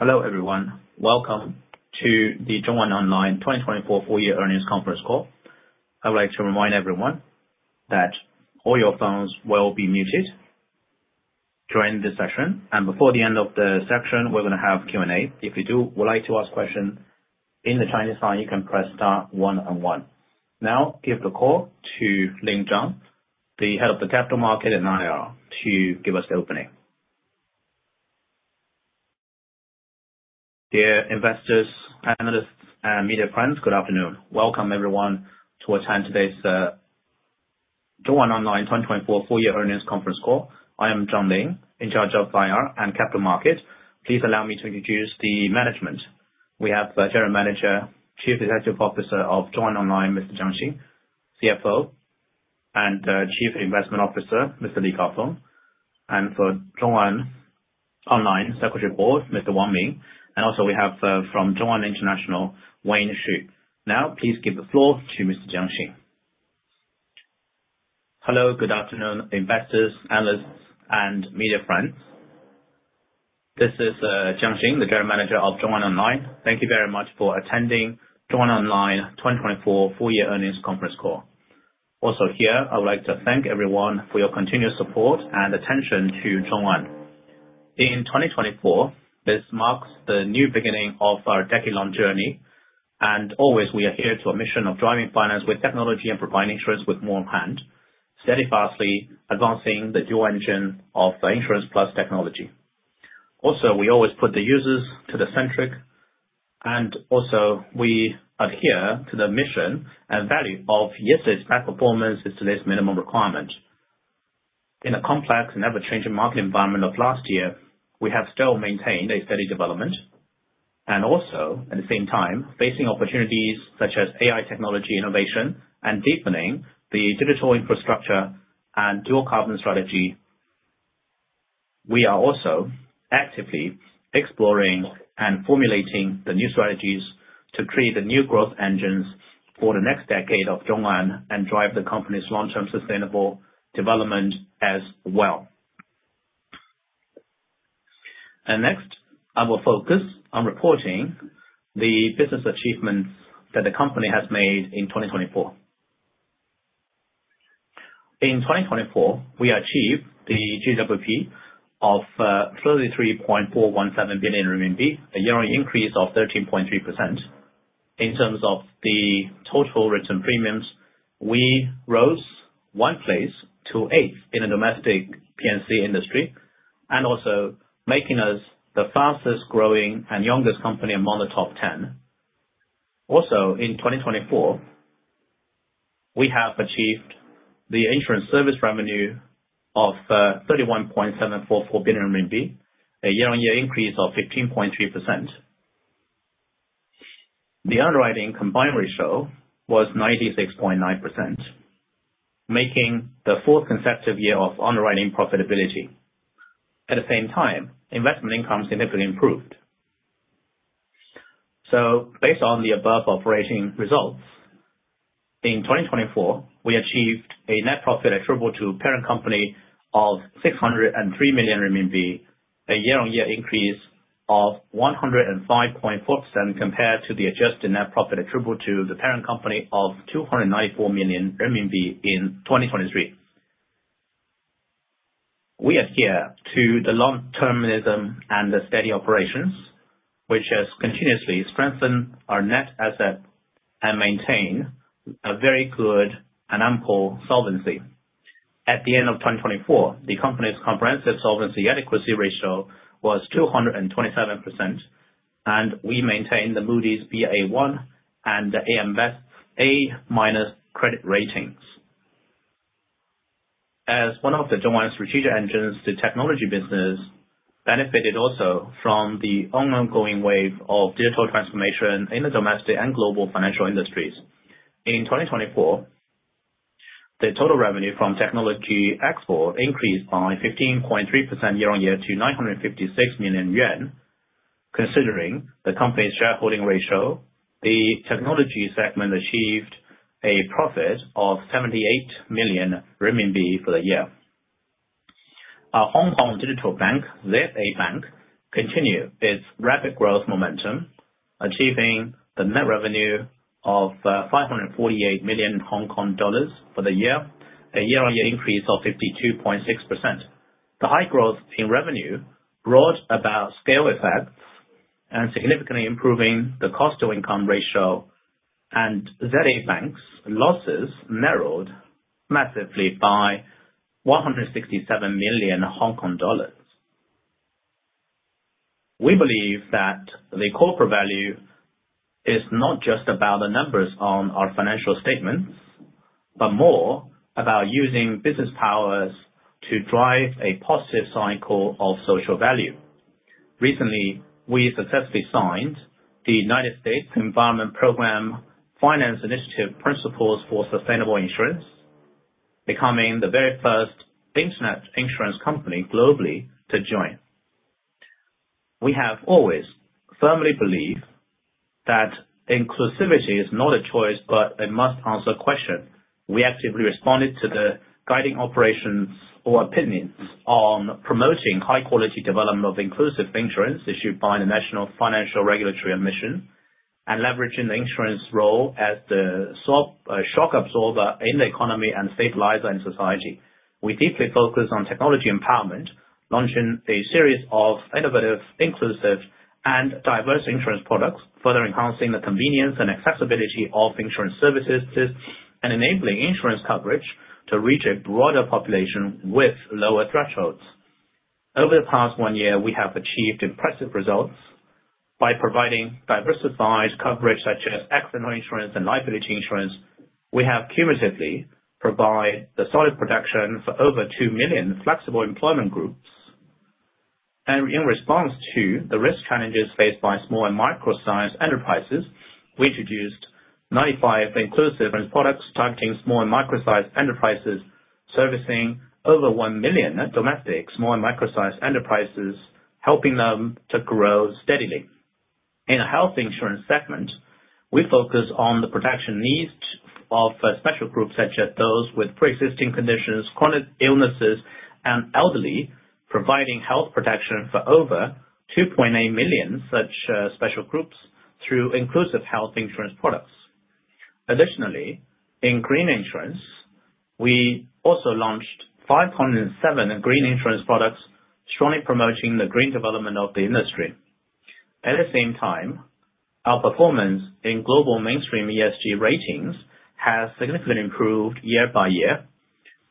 Hello everyone. Welcome to the ZhongAn Online 2024 full year earnings conference call. I would like to remind everyone that all your phones will be muted during this session. Before the end of the session, we're going to have Q&A. If you would like to ask questions in the Chinese line, you can press star one and one. I give the call to Lin Zhang, the head of the capital market and IR, to give us the opening. Dear investors, analysts, and media friends, good afternoon. Welcome everyone to attend today's ZhongAn Online 2024 full year earnings conference call. I am Lin Zhang, in charge of IR and capital market. Please allow me to introduce the management. We have the General Manager, Chief Executive Officer of ZhongAn Online, Mr. Jiang Xing. CFO and Chief Investment Officer, Mr. Gaofeng Li. For ZhongAn Online Secretary of the Board, Mr. Wang Ming. Also we have from ZhongAn International, Wayne Xu. Please give the floor to Mr. Jiang Xing. Hello, good afternoon, investors, analysts, and media friends. This is Jiang Xing, the General Manager of ZhongAn Online. Thank you very much for attending ZhongAn Online 2024 full year earnings conference call. Here, I would like to thank everyone for your continuous support and attention to ZhongAn. In 2024, this marks the new beginning of our decade-long journey. Always we adhere to a mission of driving finance with technology and providing insurance with more heart, steadfastly advancing the dual engine of insurance plus technology. We always put the users at the center, and we adhere to the mission and value of yesterday's high performance is today's minimum requirement. In a complex and ever-changing market environment of last year, we have still maintained a steady development. At the same time, facing opportunities such as AI technology innovation and deepening the digital infrastructure and dual carbon strategy, we are actively exploring and formulating the new strategies to create the new growth engines for the next decade of ZhongAn and drive the company's long-term sustainable development as well. Next, I will focus on reporting the business achievements that the company has made in 2024. In 2024, we achieved the GWP of 33.417 billion RMB, a year-on-year increase of 13.3%. In terms of the total written premiums, we rose one place to eighth in the domestic P&C industry, making us the fastest growing and youngest company among the top 10. In 2024, we have achieved the insurance service revenue of 31.744 billion RMB, a year-on-year increase of 15.3%. The underwriting combined ratio was 96.9%, making the fourth consecutive year of underwriting profitability. At the same time, investment income significantly improved. Based on the above operating results, in 2024, we achieved a net profit attributable to parent company of 603 million RMB, a year-on-year increase of 105.4% compared to the adjusted net profit attributable to the parent company of 294 million RMB in 2023. We adhere to the long-termism and the steady operations, which has continuously strengthened our net asset and maintain a very good and ample solvency. At the end of 2024, the company's comprehensive solvency adequacy ratio was 227%, and we maintain the Moody's Ba1 and AM Best A- credit ratings. As one of the ZhongAn strategic engines, the technology business benefited also from the ongoing wave of digital transformation in the domestic and global financial industries. In 2024, the total revenue from technology export increased by 15.3% year-on-year to 956 million yuan. Considering the company's shareholding ratio, the technology segment achieved a profit of 78 million renminbi for the year. Our Hong Kong Digital Bank, ZA Bank, continued its rapid growth momentum, achieving the net revenue of 548 million Hong Kong dollars for the year, a year-on-year increase of 52.6%. The high growth in revenue brought about scale effects, significantly improving the cost-to-income ratio. ZA Bank's losses narrowed massively by 167 million Hong Kong dollars. We believe that the corporate value is not just about the numbers on our financial statements, but more about using business powers to drive a positive cycle of social value. Recently, we successfully signed the United Nations Environment Programme Finance Initiative Principles for Sustainable Insurance, becoming the very first internet insurance company globally to join. We have always firmly believed that inclusivity is not a choice, but a must-answer question. We actively responded to the guiding operations or opinions on promoting high quality development of inclusive insurance issued by the National Financial Regulatory Administration, leveraging the insurance role as the shock absorber in the economy and stabilizer in society. We deeply focus on technology empowerment, launching a series of innovative, inclusive, and diverse insurance products, further enhancing the convenience and accessibility of insurance services, enabling insurance coverage to reach a broader population with lower thresholds. Over the past one year, we have achieved impressive results by providing diversified coverage such as accidental insurance and liability insurance. We have cumulatively provided solid protection for over 2 million flexible employment groups. In response to the risk challenges faced by small and micro-sized enterprises, we introduced 95 inclusive insurance products targeting small and micro-sized enterprises, servicing over 1 million domestic small and micro-sized enterprises, helping them to grow steadily. In the health insurance segment, we focus on the protection needs of special groups such as those with preexisting conditions, chronic illnesses, and elderly, providing health protection for over 2.8 million such special groups through inclusive health insurance products. Additionally, in green insurance, we also launched 5.7 green insurance products, strongly promoting the green development of the industry. Our performance in global mainstream ESG ratings has significantly improved year-by-year,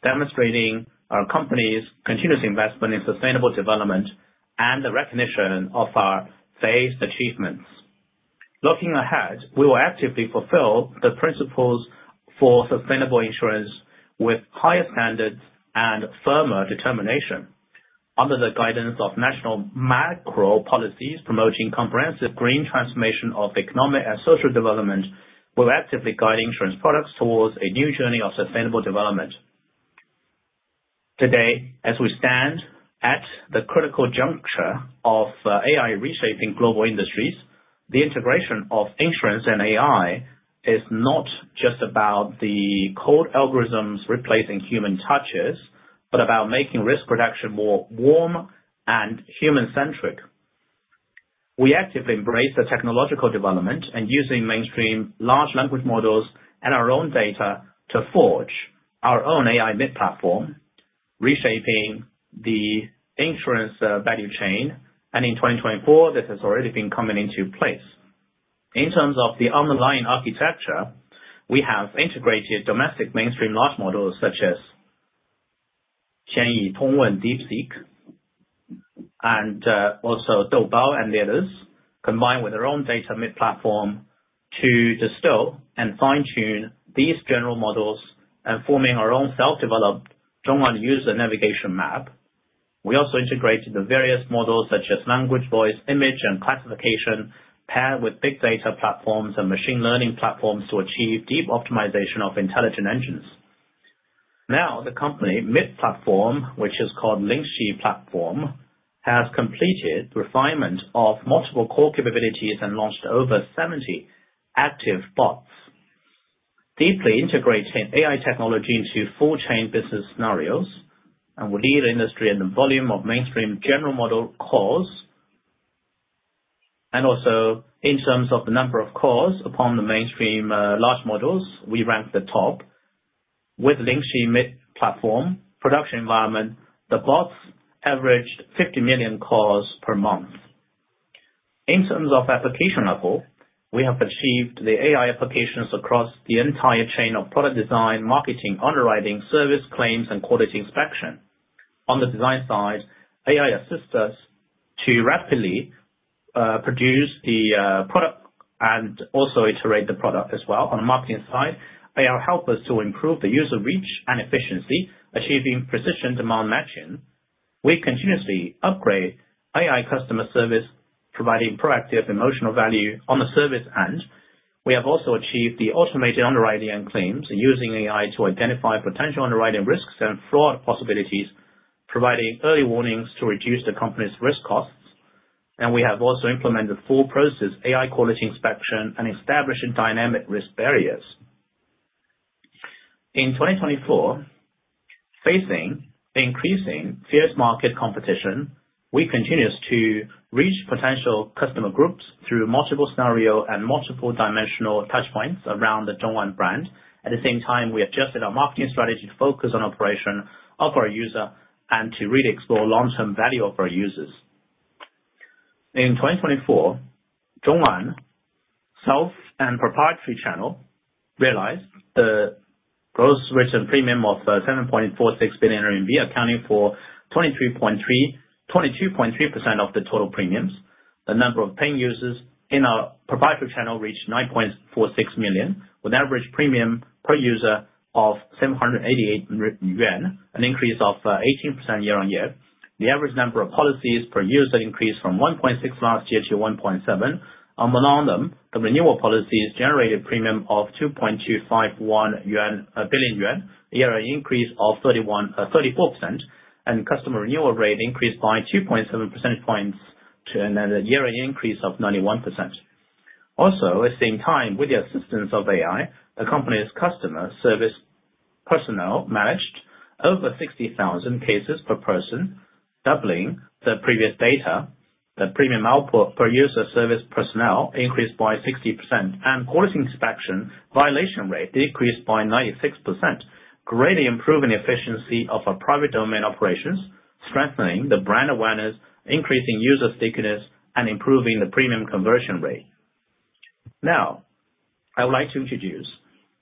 demonstrating our company's continuous investment in sustainable development and the recognition of our phase achievements. Looking ahead, we will actively fulfill the Principles for Sustainable Insurance with higher standards and firmer determination. Under the guidance of national macro-policies promoting comprehensive green transformation of economic and social development, we're actively guiding insurance products towards a new journey of sustainable development. Today, as we stand at the critical juncture of AI reshaping global industries, the integration of insurance and AI is not just about the code algorithms replacing human touches, but about making risk reduction more warm and human-centric. We actively embrace the technological development, using mainstream large language models and our own data to forge our own AI mid-platform, reshaping the insurance value chain. In 2024, this has already been coming into place. In terms of the underlying architecture, we have integrated domestic mainstream large models such as Wenxin, Tongyi, DeepSeek, and Doubao and others, combined with our own data midplatform to distill and fine-tune these general models and forming our own self-developed ZhongAn user navigation map. We also integrated the various models such as language, voice, image, and classification, paired with big data platforms and machine learning platforms to achieve deep optimization of intelligent engines. The company midplatform, which is called Lingxi platform, has completed refinement of multiple core capabilities and launched over 70 active bots, deeply integrating AI technology into full chain business scenarios, and will lead industry in the volume of mainstream general model cores. In terms of the number of cores upon the mainstream large models, we rank the top. With Lingxi midplatform production environment, the bots averaged 50 million cores per month. In terms of application level, we have achieved the AI applications across the entire chain of product design, marketing, underwriting, service claims, and quality inspection. On the design side, AI assists us to rapidly produce the product and also iterate the product as well. On the marketing side, AI help us to improve the user reach and efficiency, achieving precision demand matching. We continuously upgrade AI customer service, providing proactive emotional value on the service end. We have also achieved the automated underwriting and claims using AI to identify potential underwriting risks and fraud possibilities, providing early warnings to reduce the company's risk costs. We have also implemented full process AI quality inspection and establishing dynamic risk barriers. In 2024, facing the increasing fierce market competition, we continuous to reach potential customer groups through multiple scenario and multiple dimensional touch points around the ZhongAn brand. At the same time, we adjusted our marketing strategy to focus on operation of our user and to really explore long-term value of our users. In 2024, ZhongAn self and proprietary channel realized the gross written premium of 7.46 billion RMB, accounting for 22.3% of the total premiums. The number of paying users in our proprietary channel reached 9.46 million, with average premium per user of 788 yuan, an increase of 18% year on year. The average number of policies per user increased from 1.6 last year to 1.7. Among them, the renewal policies generated premium of 2.251 billion yuan, a year increase of 34%, and customer renewal rate increased by 2.7 percentage points to another year increase of 91%. At the same time, with the assistance of AI, the company's customer service personnel managed over 60,000 cases per person, doubling the previous data. The premium output per user service personnel increased by 60%, and quality inspection violation rate decreased by 96%, greatly improving the efficiency of our private domain operations, strengthening the brand awareness, increasing user stickiness, and improving the premium conversion rate. I would like to introduce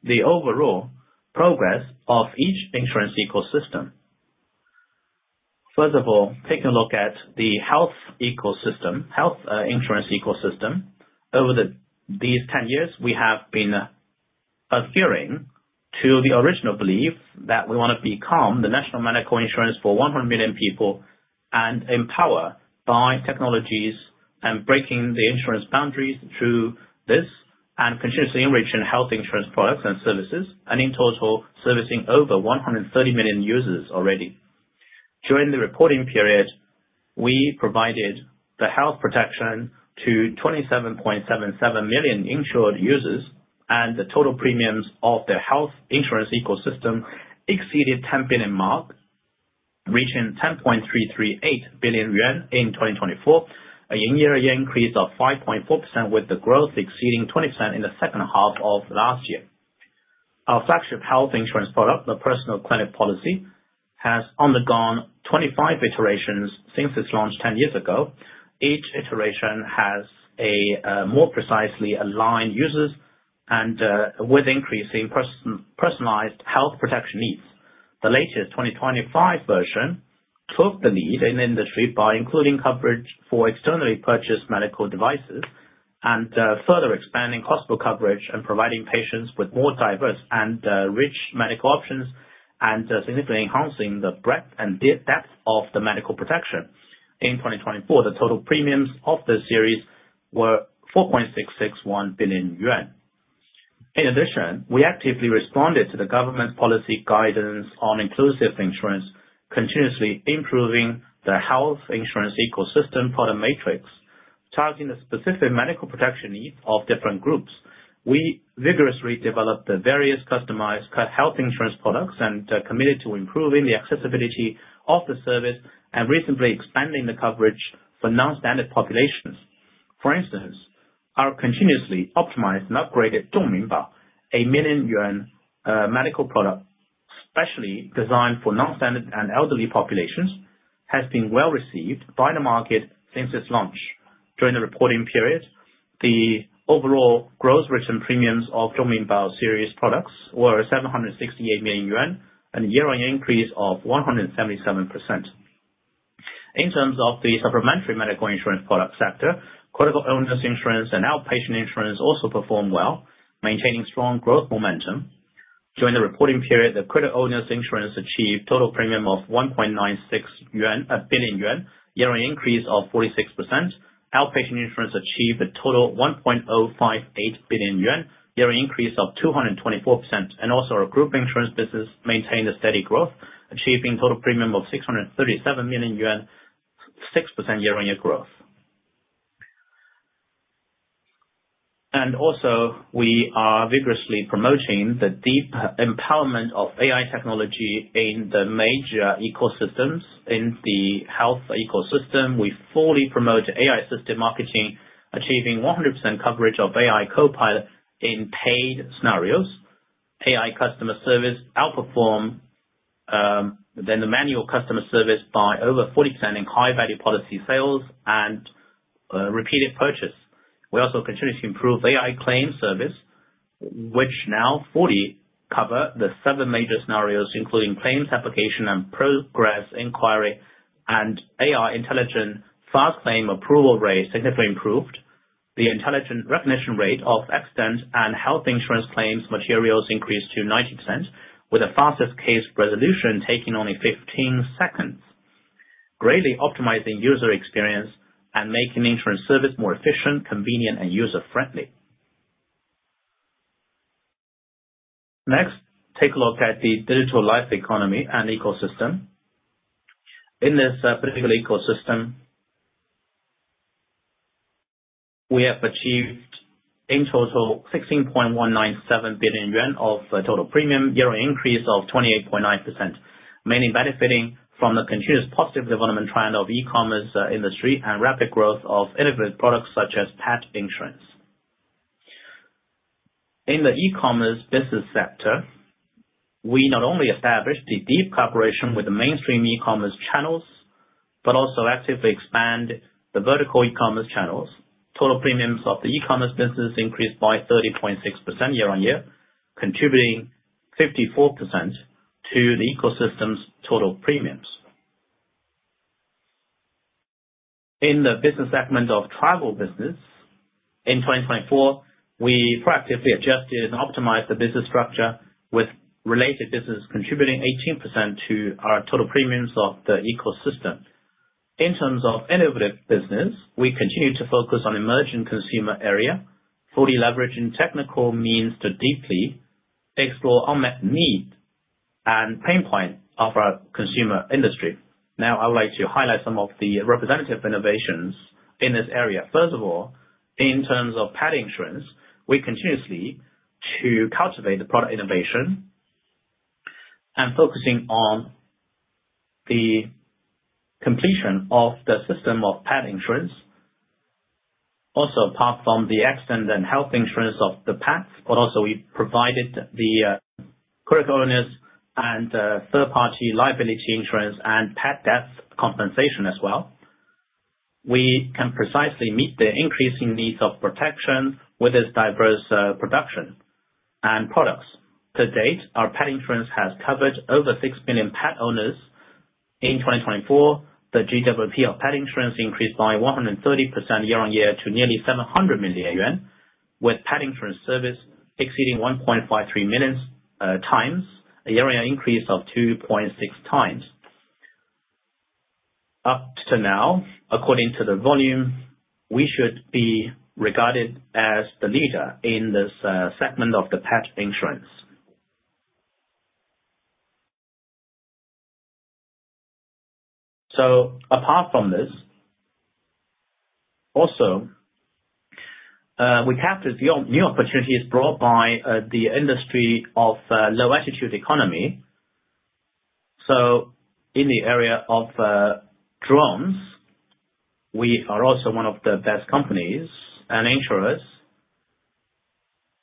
the overall progress of each insurance ecosystem. First of all, taking a look at the health insurance ecosystem. Over these 10 years, we have been adhering to the original belief that we want to become the national medical insurance for 100 million people, empower by technologies and breaking the insurance boundaries through this, continuously enriching health insurance products and services, in total, servicing over 130 million users already. During the reporting period, we provided the health protection to 27.77 million insured users, the total premiums of the health insurance ecosystem exceeded 10 billion mark, reaching 10.338 billion yuan in 2024, a year-on-year increase of 5.4%, with the growth exceeding 20% in the second half of last year. Our flagship health insurance product, the Personal Clinic Policy, has undergone 25 iterations since its launch 10 years ago. Each iteration has a more precisely aligned users and with increasing personalized health protection needs. The latest 2025 version took the lead in industry by including coverage for externally purchased medical devices and further expanding hospital coverage and providing patients with more diverse and rich medical options, significantly enhancing the breadth and depth of the medical protection. In 2024, the total premiums of the series were 4.661 billion yuan. In addition, we actively responded to the government policy guidance on inclusive insurance, continuously improving the health insurance ecosystem product matrix, targeting the specific medical protection need of different groups. We vigorously developed the various customized health insurance products and are committed to improving the accessibility of the service and recently expanding the coverage for non-standard populations. For instance, our continuously optimized and upgraded Zhongminbao, a million RMB medical product specially designed for non-standard and elderly populations, has been well-received by the market since its launch. During the reporting period, the overall gross written premiums of Zhongminbao series products were 768 million yuan, a year-on-year increase of 177%. In terms of the supplementary medical insurance product sector, critical illness insurance and outpatient insurance also performed well, maintaining strong growth momentum. During the reporting period, the critical illness insurance achieved total premium of 1.96 billion yuan, year-on-year increase of 46%. Outpatient insurance achieved a total 1.058 billion yuan, year-on-year increase of 224%. Our group insurance business maintained a steady growth, achieving total premium of 637 million yuan, 6% year-on-year growth. We are vigorously promoting the deep empowerment of AI technology in the major ecosystems. In the health ecosystem, we fully promote AI-assisted marketing, achieving 100% coverage of AI copilot in paid scenarios. AI customer service outperform than the manual customer service by over 40% in high-value policy sales and repeated purchase. We also continue to improve AI claim service, which now fully cover the seven major scenarios, including claims application and progress inquiry, and AI intelligent fast claim approval rate significantly improved. The intelligent recognition rate of accident and health insurance claims materials increased to 90%, with the fastest case resolution taking only 15 seconds, greatly optimizing user experience and making insurance service more efficient, convenient, and user-friendly. Next, take a look at the digital life economy and ecosystem. In this particular ecosystem, we have achieved in total 16.197 billion yuan of total premium, year-on-year increase of 28.9%, mainly benefiting from the continuous positive development trend of e-commerce industry and rapid growth of innovative products such as pet insurance. In the e-commerce business sector, we not only established a deep cooperation with the mainstream e-commerce channels, but also actively expand the vertical e-commerce channels. Total premiums of the e-commerce business increased by 30.6% year-on-year, contributing 54% to the ecosystem's total premiums. In the business segment of travel business, in 2024, we proactively adjusted and optimized the business structure with related business contributing 18% to our total premiums of the ecosystem. In terms of innovative business, we continue to focus on emerging consumer area, fully leveraging technical means to deeply explore unmet need and pain point of our consumer industry. Now I would like to highlight some of the representative innovations in this area. First of all, in terms of pet insurance, we continuously to cultivate the product innovation and focusing on the completion of the system of pet insurance. Apart from the accident and health insurance of the pets, we provided the current owners and third-party liability insurance and pet death compensation as well. We can precisely meet the increasing needs of protection with its diverse production and products. To date, our pet insurance has covered over 6 million pet owners. In 2024, the GWP of pet insurance increased by 130% year-on-year to nearly 700 million yuan, with pet insurance service exceeding 1.53 million times, a year-on-year increase of 2.6 times. Up to now, according to the volume, we should be regarded as the leader in this segment of the pet insurance. Apart from this, we have these new opportunities brought by the industry of low altitude economy. In the area of drones, we are also one of the best companies and insurers.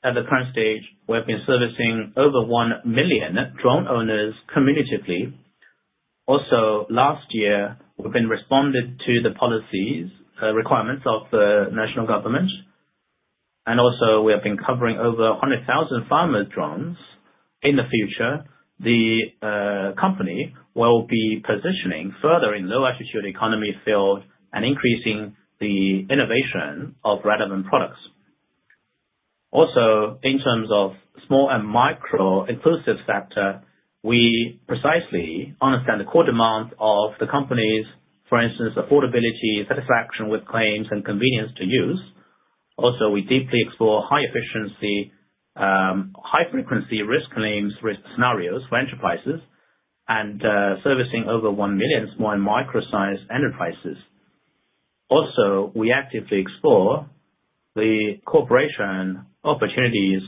At the current stage, we've been servicing over 1 million drone owners cumulatively. Last year, we've been responded to the policies, requirements of the national government, and also we have been covering over 100,000 farmer drones. In the future, the company will be positioning further in low altitude economy field and increasing the innovation of relevant products. In terms of small and micro inclusive sector, we precisely understand the core demands of the companies. For instance, affordability, satisfaction with claims and convenience to use. We deeply explore high efficiency, high frequency risk claims, risk scenarios for enterprises, and servicing over 1 million small and micro-size enterprises. We actively explore the cooperation opportunities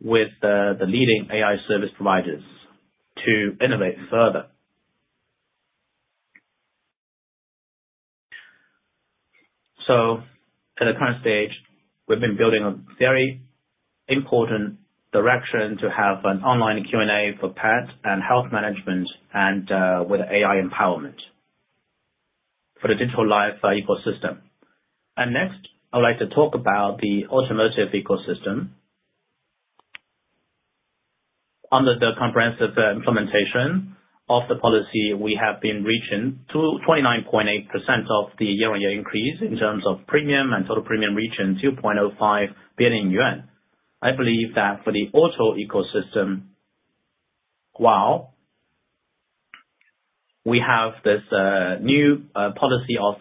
with the leading AI service providers to innovate further. At the current stage, we've been building a very important direction to have an online Q&A for pet and health management and with AI empowerment for the digital life ecosystem. Next, I would like to talk about the automotive ecosystem. Under the comprehensive implementation of the policy, we have been reaching 2.9.8% of the year-on-year increase in terms of premium and total premium reaching 2.05 billion yuan. I believe that for the auto ecosystem, while we have this new policy of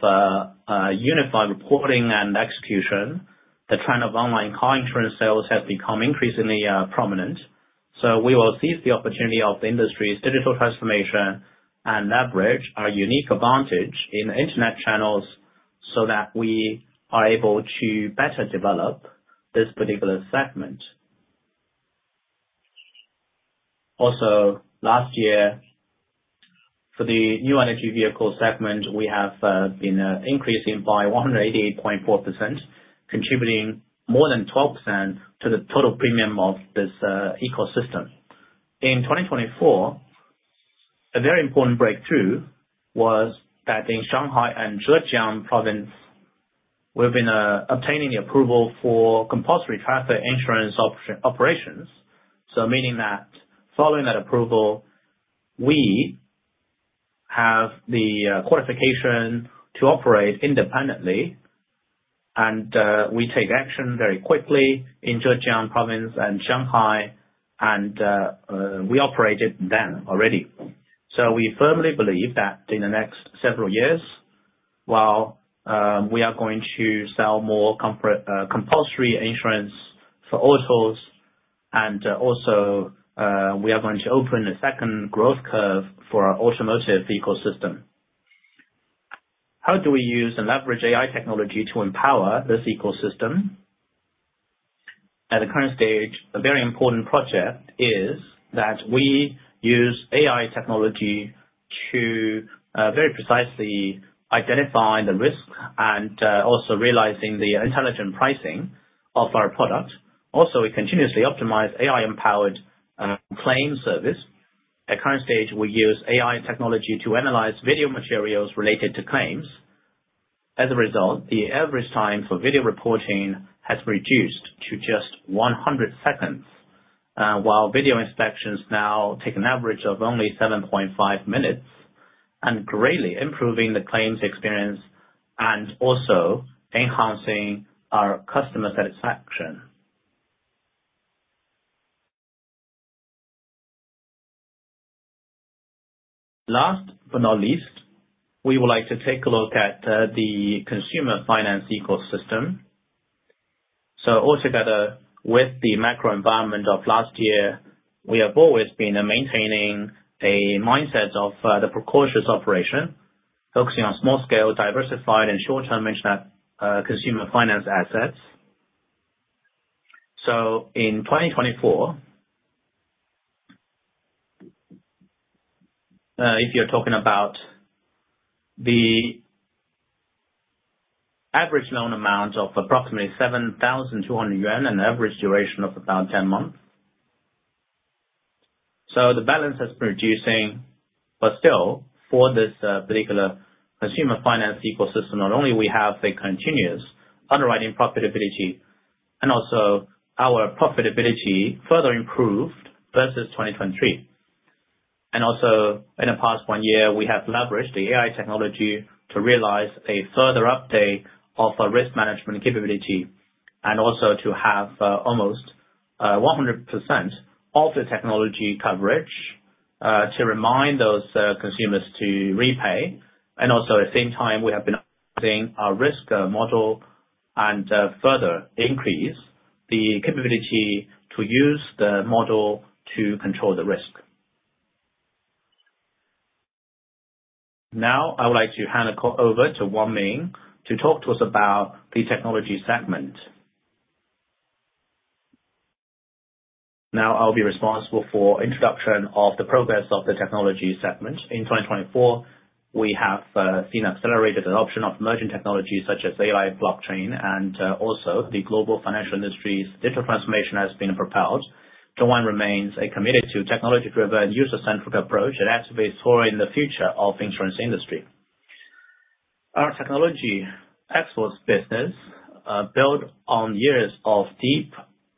unified reporting and execution, the trend of online car insurance sales has become increasingly prominent. We will seize the opportunity of the industry's digital transformation and leverage our unique advantage in internet channels so that we are able to better develop this particular segment. Last year, for the new energy vehicle segment, we have been increasing by 188.4%, contributing more than 12% to the total premium of this ecosystem. In 2024, a very important breakthrough was that in Shanghai and Zhejiang Province, we've been obtaining the approval for compulsory traffic insurance operations. Meaning that following that approval, we have the qualification to operate independently and we take action very quickly in Zhejiang Province and Shanghai and we operated then already. We firmly believe that in the next several years, while we are going to sell more compulsory insurance for autos and also we are going to open a second growth curve for our automotive ecosystem. How do we use and leverage AI technology to empower this ecosystem? At the current stage, a very important project is that we use AI technology to very precisely identify the risk and also realizing the intelligent pricing of our product. Also, we continuously optimize AI-empowered claim service. At current stage, we use AI technology to analyze video materials related to claims. As a result, the average time for video reporting has reduced to just 100 seconds, while video inspections now take an average of only 7.5 minutes and greatly improving the claims experience and also enhancing our customer satisfaction. Last but not least, we would like to take a look at the consumer finance ecosystem. Altogether with the macro environment of last year, we have always been maintaining a mindset of the precautious operation, focusing on small scale, diversified and short-term consumer finance assets. In 2024, if you're talking about the average loan amount of approximately 7,200 yuan and average duration of about 10 months. The balance is producing, but still for this particular consumer finance ecosystem, not only we have a continuous underwriting profitability and also our profitability further improved versus 2023. In the past one year, we have leveraged the AI technology to realize a further update of our risk management capability, and also to have almost 100% of the technology coverage, to remind those consumers to repay. At the same time, we have been updating our risk model and further increase the capability to use the model to control the risk. Now I would like to hand it over to Wang Ming to talk to us about the technology segment. I'll be responsible for introduction of the progress of the technology segment. In 2024, we have seen accelerated adoption of emerging technologies such as AI, blockchain, and also the global financial industry's digital transformation has been propelled. ZhongAn remains committed to technology-driven user-centric approach. It activates for the future of insurance industry. Our technology exports business, built on years of deep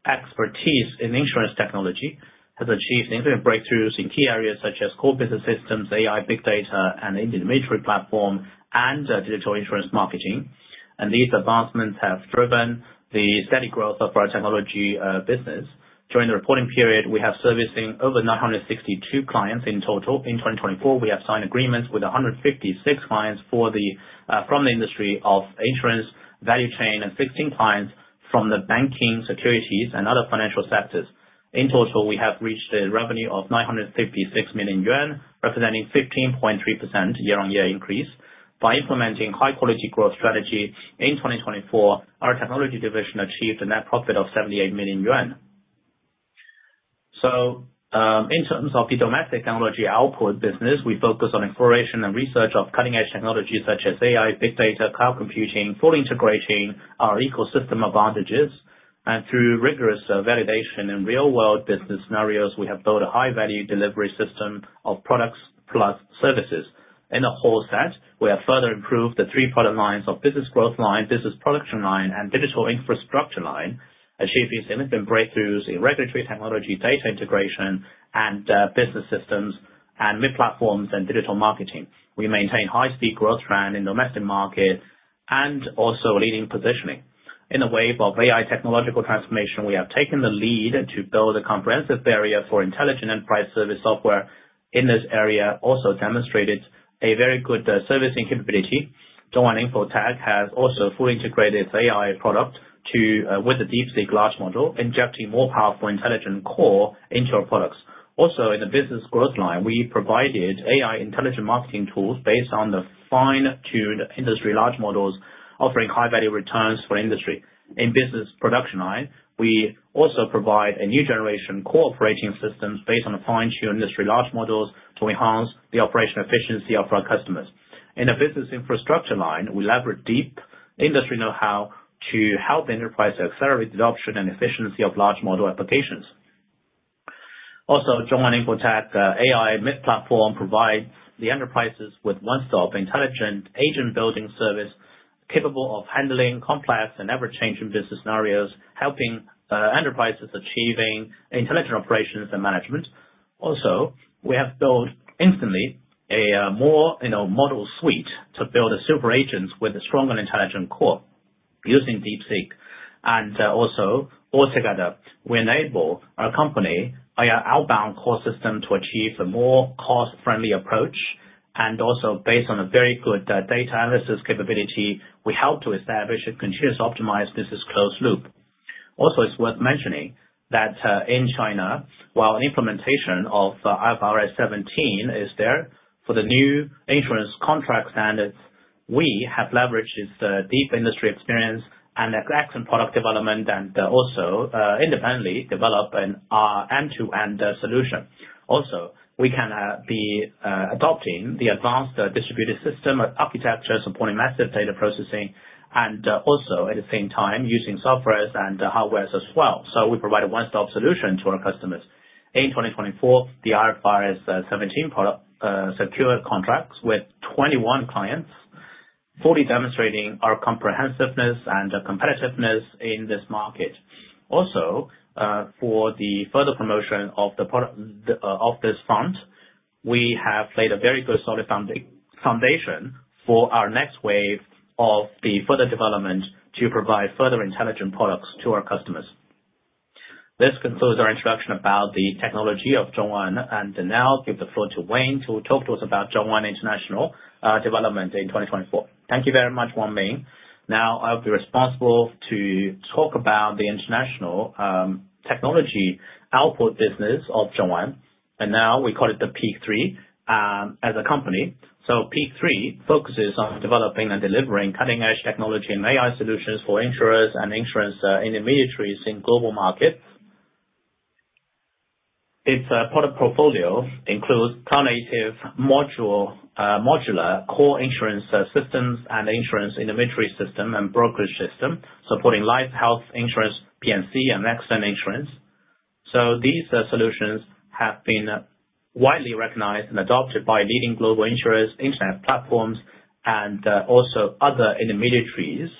expertise in insurance technology, has achieved infinite breakthroughs in key areas such as core business systems, AI, big data, and intermediary platform and digital insurance marketing. These advancements have driven the steady growth of our technology business. During the reporting period, we are servicing over 962 clients in total. In 2024, we have signed agreements with 156 clients from the industry of insurance value chain and 16 clients from the banking securities and other financial sectors. In total, we have reached a revenue of 956 million yuan, representing 15.3% year-on-year increase. By implementing high quality growth strategy in 2024, our technology division achieved a net profit of 78 million yuan. In terms of the domestic technology output business, we focus on exploration and research of cutting-edge technologies such as AI, big data, cloud computing, fully integrating our ecosystem advantages. Through rigorous validation in real world business scenarios, we have built a high value delivery system of products plus services. In the whole set, we have further improved the three product lines of business growth line, business production line, and digital infrastructure line, achieving significant breakthroughs in regulatory technology, data integration and business systems and mid platforms and digital marketing. We maintain high speed growth trend in domestic market and also leading positioning. In the wave of AI technological transformation, we have taken the lead to build a comprehensive area for intelligent enterprise service software in this area, also demonstrated a very good servicing capability. ZhongAn Info Tech has also fully integrated its AI product with the DeepSeek large model, injecting more powerful intelligent core into our products. In the business growth line, we provided AI intelligent marketing tools based on the fine-tune industry large models offering high value returns for industry. In business production line, we also provide a new generation cooperating systems based on a fine-tune industry large models to enhance the operational efficiency of our customers. In a business infrastructure line, we leverage deep industry know-how to help enterprise accelerate the adoption and efficiency of large model applications. ZhongAn Info Tech AI mid-platform provides the enterprises with one stop intelligent agent building service capable of handling complex and ever-changing business scenarios, helping enterprises achieving intellectual operations and management. We have built instantly a more model suite to build a super agent with a stronger intelligent core using DeepSeek. Altogether, we enable our company outbound core system to achieve a more cost friendly approach and also based on a very good data analysis capability, we help to establish a continuous optimized business closed loop. It's worth mentioning that in China, while implementation of IFRS 17 is there for the new insurance contract standards, we have leveraged its deep industry experience and excellent product development and also independently develop an end to end solution. We can be adopting the advanced distributed system architecture supporting massive data processing and also at the same time using softwares and hardwares as well. We provide a one stop solution to our customers. In 2024, the IFRS 17 product secured contracts with 21 clients, fully demonstrating our comprehensiveness and competitiveness in this market. For the further promotion of this front, we have laid a very good solid foundation for our next wave of the further development to provide further intelligent products to our customers. This concludes our introduction about the technology of ZhongAn. Now give the floor to Wayne, who will talk to us about ZhongAn International development in 2024. Thank you very much, Wang Ming. I'll be responsible to talk about the international technology output business of ZhongAn. Now we call it the Peak3 as a company. Peak3 focuses on developing and delivering cutting-edge technology and AI solutions for insurers and insurance intermediaries in global markets. Its product portfolio includes cloud native modular core insurance systems and insurance intermediary system and brokerage system, supporting life, health insurance, P&C, and accident insurance. These solutions have been widely recognized and adopted by leading global insurers, internet platforms, and also other intermediaries.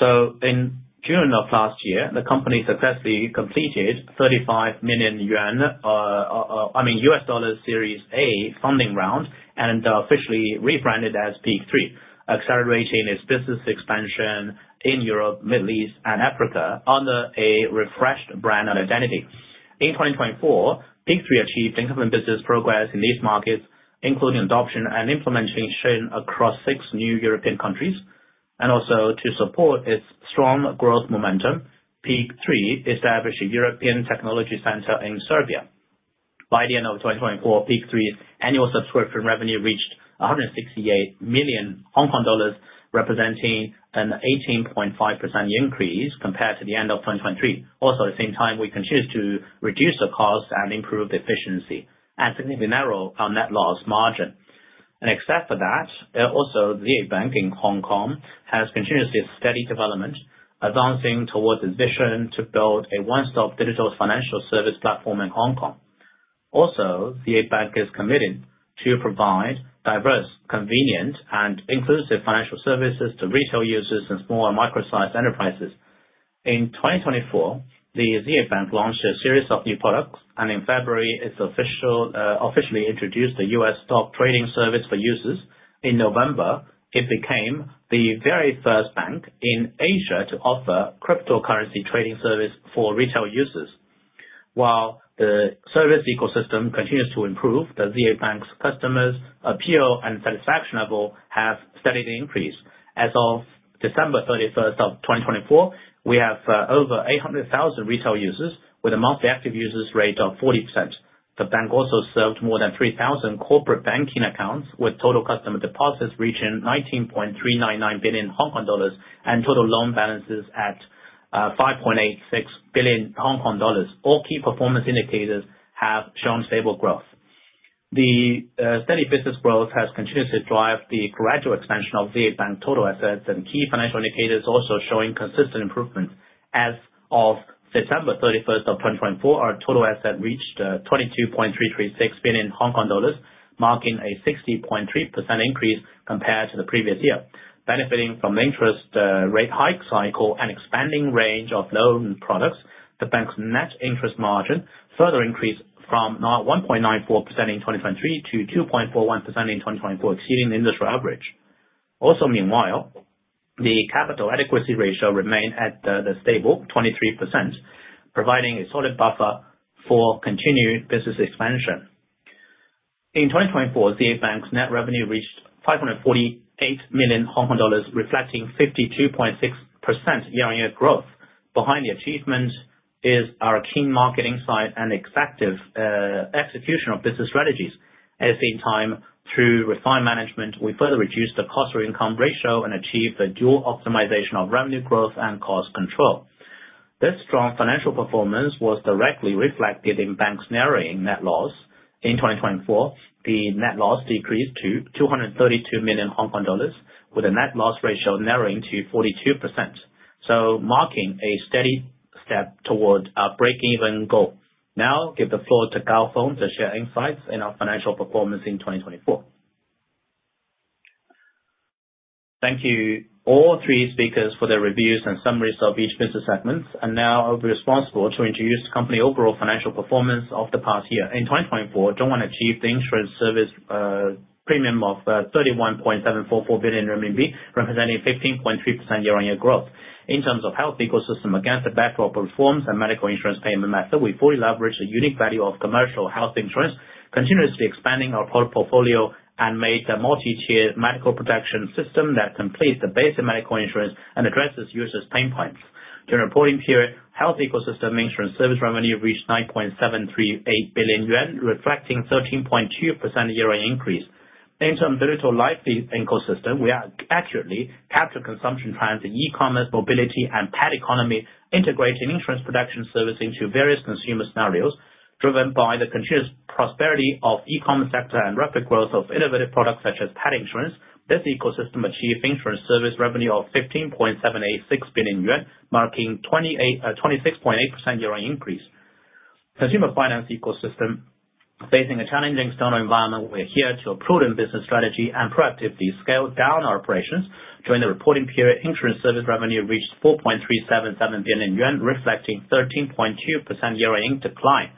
In June of last year, the company successfully completed $35 million Series A funding round and officially rebranded as Peak3, accelerating its business expansion in Europe, Middle East, and Africa under a refreshed brand and identity. In 2024, Peak3 achieved significant business progress in these markets, including adoption and implementation across six new European countries. Also to support its strong growth momentum, Peak3 established a European technology center in Serbia. By the end of 2024, Peak3's annual subscription revenue reached 168 million Hong Kong dollars, representing an 18.5% increase compared to the end of 2023. At the same time, we continued to reduce the cost and improve efficiency, and significantly narrow our net loss margin. Except for that, ZA Bank in Hong Kong has continuously a steady development, advancing towards its vision to build a one-stop digital financial service platform in Hong Kong. ZA Bank is committed to provide diverse, convenient, and inclusive financial services to retail users and small and micro-sized enterprises. In 2024, ZA Bank launched a series of new products, and in February, it officially introduced the U.S. stock trading service for users. In November, it became the very first bank in Asia to offer cryptocurrency trading service for retail users. While the service ecosystem continues to improve, ZA Bank's customers' appeal and satisfaction level have steadily increased. As of December 31st, 2024, we have over 800,000 retail users with a monthly active users rate of 40%. The bank also served more than 3,000 corporate banking accounts, with total customer deposits reaching 19.399 billion Hong Kong dollars and total loan balances at 5.86 billion Hong Kong dollars. All key performance indicators have shown stable growth. The steady business growth has continued to drive the gradual expansion of ZA Bank total assets and key financial indicators also showing consistent improvement. As of December 31st, 2024, our total asset reached 22.336 billion Hong Kong dollars, marking a 60.3% increase compared to the previous year. Benefiting from the interest rate hike cycle and expanding range of loan products, the bank's net interest margin further increased from 1.94% in 2023 to 2.41% in 2024, exceeding the industry average. Meanwhile, the capital adequacy ratio remained at the stable 23%, providing a solid buffer for continued business expansion. In 2024, ZA Bank's net revenue reached 548 million Hong Kong dollars, reflecting 52.6% year-on-year growth. Behind the achievement is our keen market insight and effective execution of business strategies. At the same time, through refined management, we further reduced the cost to income ratio and achieved the dual optimization of revenue growth and cost control. This strong financial performance was directly reflected in bank's narrowing net loss. In 2024, the net loss decreased to 232 million Hong Kong dollars with a net loss ratio narrowing to 42%, marking a steady step toward our break-even goal. Now give the floor to Gaofeng to share insights in our financial performance in 2024. Thank you all three speakers for their reviews and summaries of each business segment. Now I'll be responsible to introduce the company overall financial performance of the past year. In 2024, ZhongAn achieved the insurance service premium of 31.744 billion RMB, representing 15.3% year-on-year growth. In terms of Health Ecosystem, against the backdrop of reforms and medical insurance payment method, we fully leveraged the unique value of commercial health insurance, continuously expanding our product portfolio and made a multi-tiered medical protection system that completes the basic medical insurance and addresses users' pain points. During the reporting period, Health Ecosystem insurance service revenue reached 9.738 billion yuan, reflecting 13.2% year-on-year increase. In term Digital Life Ecosystem, we accurately capture consumption trends in e-commerce, mobility, and pet economy, integrating insurance product service into various consumer scenarios. Driven by the continuous prosperity of e-commerce sector and rapid growth of innovative products such as pet insurance, this ecosystem achieved insurance service revenue of 15.786 billion yuan, marking 26.8% year-on-year increase. Consumer Finance Ecosystem. Facing a challenging external environment, we adhered to a prudent business strategy and proactively scaled down our operations during the reporting period. Insurance service revenue reached 4.377 billion yuan, reflecting 13.2% year-on-year decline.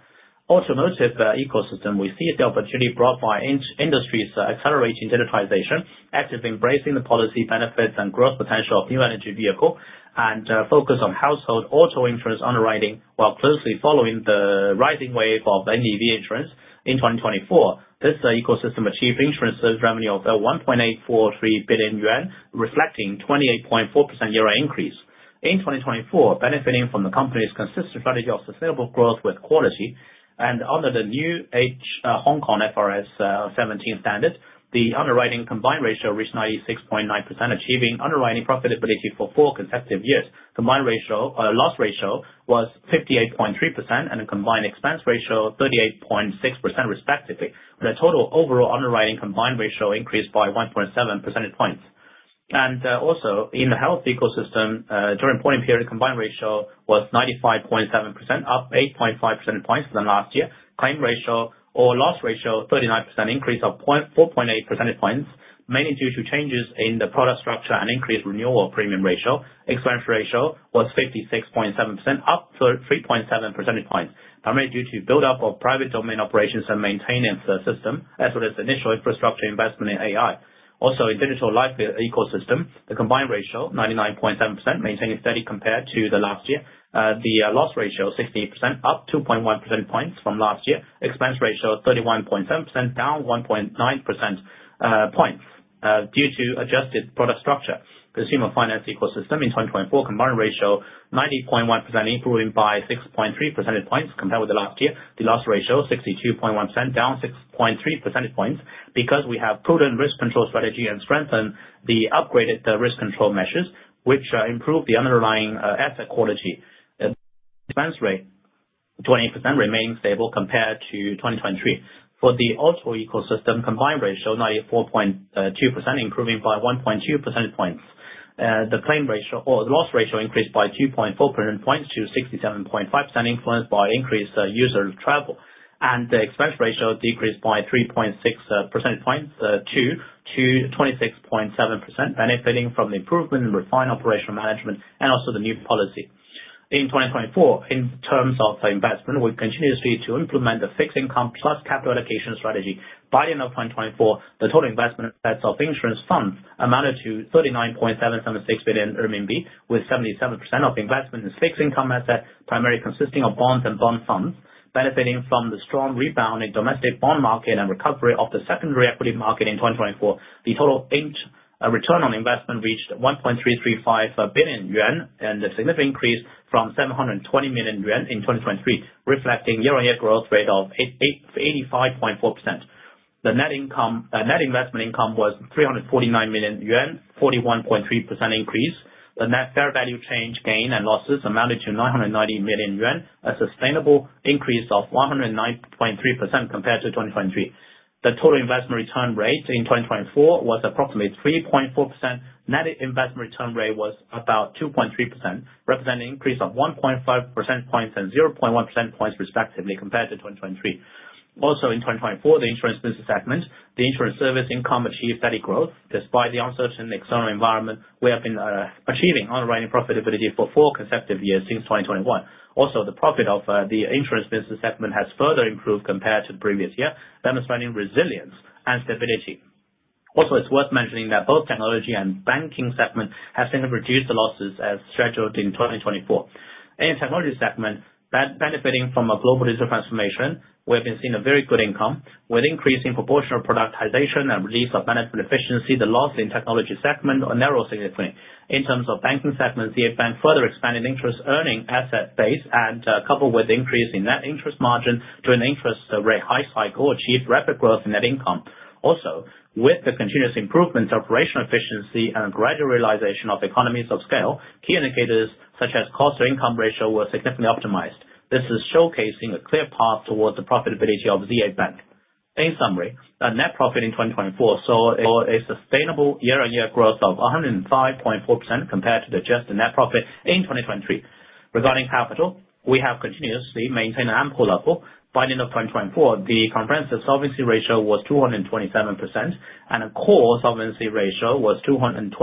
Automotive Ecosystem, we see the opportunity brought by industries accelerating digitization, active embracing the policy benefits and growth potential of new energy vehicle, and focus on household auto insurance underwriting while closely following the rising wave of NEV insurance in 2024. This ecosystem achieved insurance revenue of 1.843 billion yuan, reflecting 28.4% year-over-year increase. In 2024, benefiting from the company's consistent strategy of sustainable growth with quality and under the new HKFRS 17 standard, the underwriting combined ratio reached 96.9%, achieving underwriting profitability for four consecutive years. Combined ratio, loss ratio was 58.3%, and a combined expense ratio 38.6% respectively. The total overall underwriting combined ratio increased by 1.7 percentage points. Also in the Health Ecosystem, during the reporting period, combined ratio was 95.7%, up 8.5 percentage points from last year. Claim ratio or loss ratio, 39% increase of 4.8 percentage points, mainly due to changes in the product structure and increased renewal premium ratio. Expense ratio was 56.7%, up 3.7 percentage points, primarily due to build-up of private domain operations and maintenance system as well as initial infrastructure investment in AI. Also, in Digital Life Ecosystem, the combined ratio, 99.7%, maintaining steady compared to the last year. The loss ratio 60%, up 2.1 percentage points from last year. Expense ratio 31.7%, down 1.9 percentage points due to adjusted product structure. Consumer Finance Ecosystem in 2024, combined ratio 90.1%, improving by 6.3 percentage points compared with last year. The loss ratio 62.1%, down 6.3 percentage points because we have prudent risk control strategy and strengthen the upgraded risk control measures, which improve the underlying asset quality. Expense rate 28% remains stable compared to 2023. For the Automotive Ecosystem combined ratio 94.2%, improving by 1.2 percentage points. The claim ratio or loss ratio increased by 2.4 percentage points to 67.5%, influenced by increased user travel. The expense ratio decreased by 3.6 percentage points to 26.7%, benefiting from the improvement in refined operational management and also the new policy. In 2024, in terms of investment, we've continuously to implement the fixed income plus capital allocation strategy. By the end of 2024, the total investment assets of insurance funds amounted to 39.776 billion RMB, with 77% of investment in fixed income asset, primarily consisting of bonds and bond funds. Benefiting from the strong rebound in domestic bond market and recovery of the secondary equity market in 2024. The total return on investment reached 1.335 billion yuan, a significant increase from 720 million yuan in 2023, reflecting year-over-year growth rate of 85.4%. The net investment income was 349 million yuan, 41.3% increase. The net fair value change gain and losses amounted to 990 million yuan, a sustainable increase of 109.3% compared to 2023. The total investment return rate in 2024 was approximately 3.4%. Net investment return rate was about 2.3%, representing increase of 1.5 percentage points and 0.1 percentage points respectively compared to 2023. In 2024, the insurance business segment, the insurance service income achieved steady growth. Despite the uncertain external environment, we have been achieving underwriting profitability for four consecutive years since 2021. The profit of the insurance business segment has further improved compared to the previous year, demonstrating resilience and stability. It's worth mentioning that both technology and banking segment have seen reduced losses as scheduled in 2024. In technology segment, benefiting from a global digital transformation, we have been seeing a very good income. With increase in proportion of productization and release of management efficiency, the loss in technology segment narrow significantly. In terms of banking segment, the bank further expanded interest-earning asset base and coupled with increase in net interest margin to an interest rate hike cycle achieved rapid growth in net income. With the continuous improvement of operational efficiency and gradual realization of economies of scale, key indicators such as cost-to-income ratio were significantly optimized. This is showcasing a clear path towards the profitability of ZA Bank. In summary, our net profit in 2024 saw a sustainable year-on-year growth of 105.4% compared to the adjusted net profit in 2023. Regarding capital, we have continuously maintained an ample level. By the end of 2024, the comprehensive solvency ratio was 227% and core solvency ratio was 221%,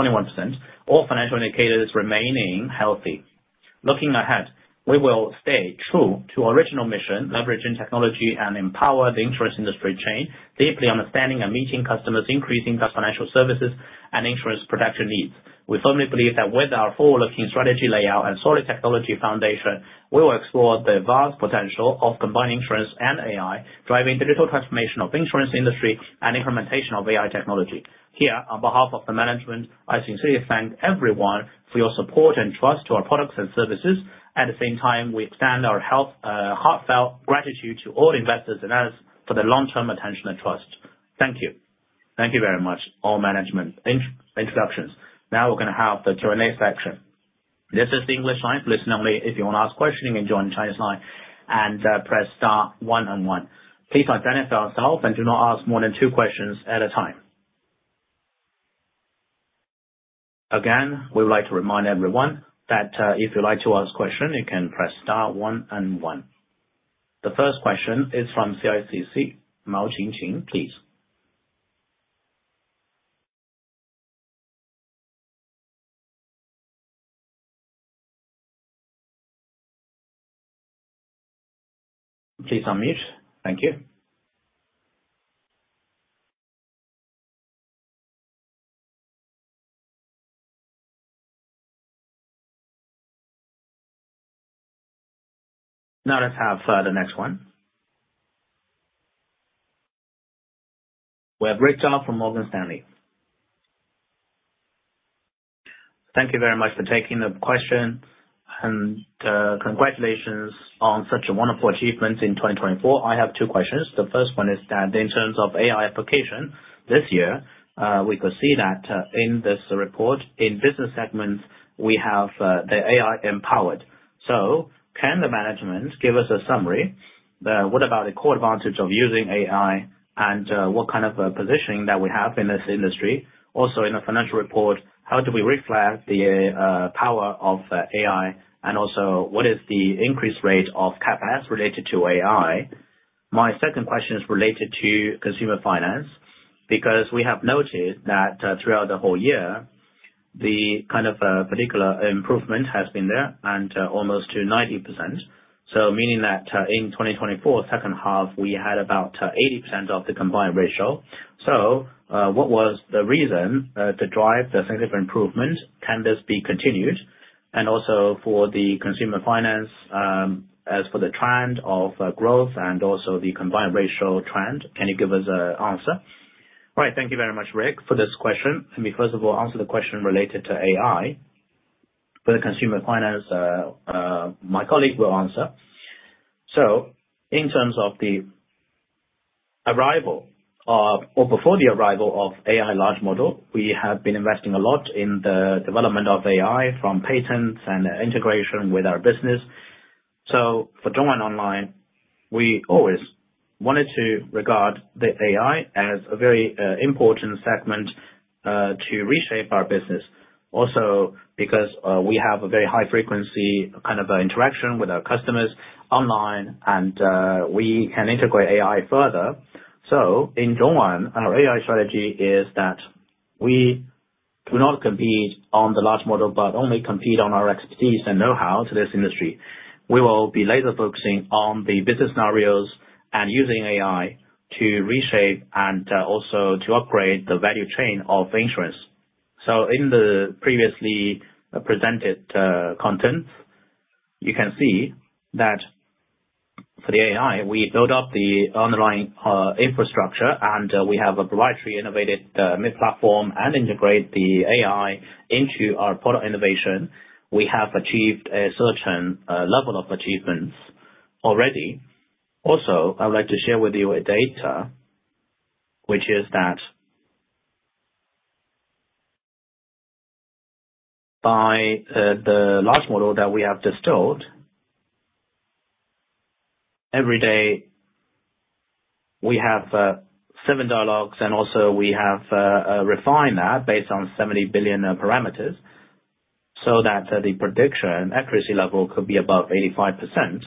all financial indicators remaining healthy. Looking ahead, we will stay true to our original mission, leveraging technology and empower the insurance industry chain, deeply understanding and meeting customers increasing their financial services and insurance protection needs. We firmly believe that with our forward-looking strategy layout and solid technology foundation, we will explore the vast potential of combining insurance and AI, driving digital transformation of insurance industry and implementation of AI technology. Here, on behalf of the management, I sincerely thank everyone for your support and trust to our products and services. At the same time, we extend our heartfelt gratitude to all investors and analysts for their long-term attention and trust. Thank you. Thank you very much all management introductions. Now we're going to have the Q&A section. This is the English line. Please note, if you want to ask questioning, you join Chinese line and press star one on one. Please identify yourself and do not ask more than two questions at a time. Again, we would like to remind everyone that if you'd like to ask question, you can press star one and one. The first question is from CICC, Mao Zhenjiang, please. Please unmute. Thank you. Now let's have the next one. We have Rick Zhou from Morgan Stanley. Thank you very much for taking the question, and congratulations on such wonderful achievements in 2024. I have two questions. The first one is that in terms of AI application this year, we could see that in this report, in business segments, we have the AI empowered. Can the management give us a summary? What about the core advantage of using AI and what kind of positioning that we have in this industry? In the financial report, how do we reflect the power of AI? What is the increase rate of CapEx related to AI? My second question is related to consumer finance, because we have noticed that throughout the whole year, the particular improvement has been there and almost to 90%. Meaning that in 2024 second half, we had about 80% of the combined ratio. What was the reason to drive the significant improvement? Can this be continued? For the consumer finance, as for the trend of growth and also the combined ratio trend, can you give us an answer? All right. Thank you very much, Rick, for this question. Let me first of all answer the question related to AI. For the consumer finance, my colleague will answer. In terms of the arrival of, or before the arrival of AI large model, we have been investing a lot in the development of AI, from patents and integration with our business. For ZhongAn Online, we always wanted to regard the AI as a very important segment to reshape our business. Because we have a very high frequency interaction with our customers online and we can integrate AI further. In ZhongAn, our AI strategy is that we do not compete on the large model, but only compete on our expertise and know-how to this industry. We will be later focusing on the business scenarios and using AI to reshape and also to upgrade the value chain of insurance. In the previously presented content, you can see that for the AI, we build up the underlying infrastructure, and we have a proprietary innovated mid-platform and integrate the AI into our product innovation. We have achieved a certain level of achievements already. I would like to share with you a data, which is that by the large model that we have distilled, every day we have seven dialogues, and we have refined that based on 70 billion parameters, so that the prediction accuracy level could be above 85%.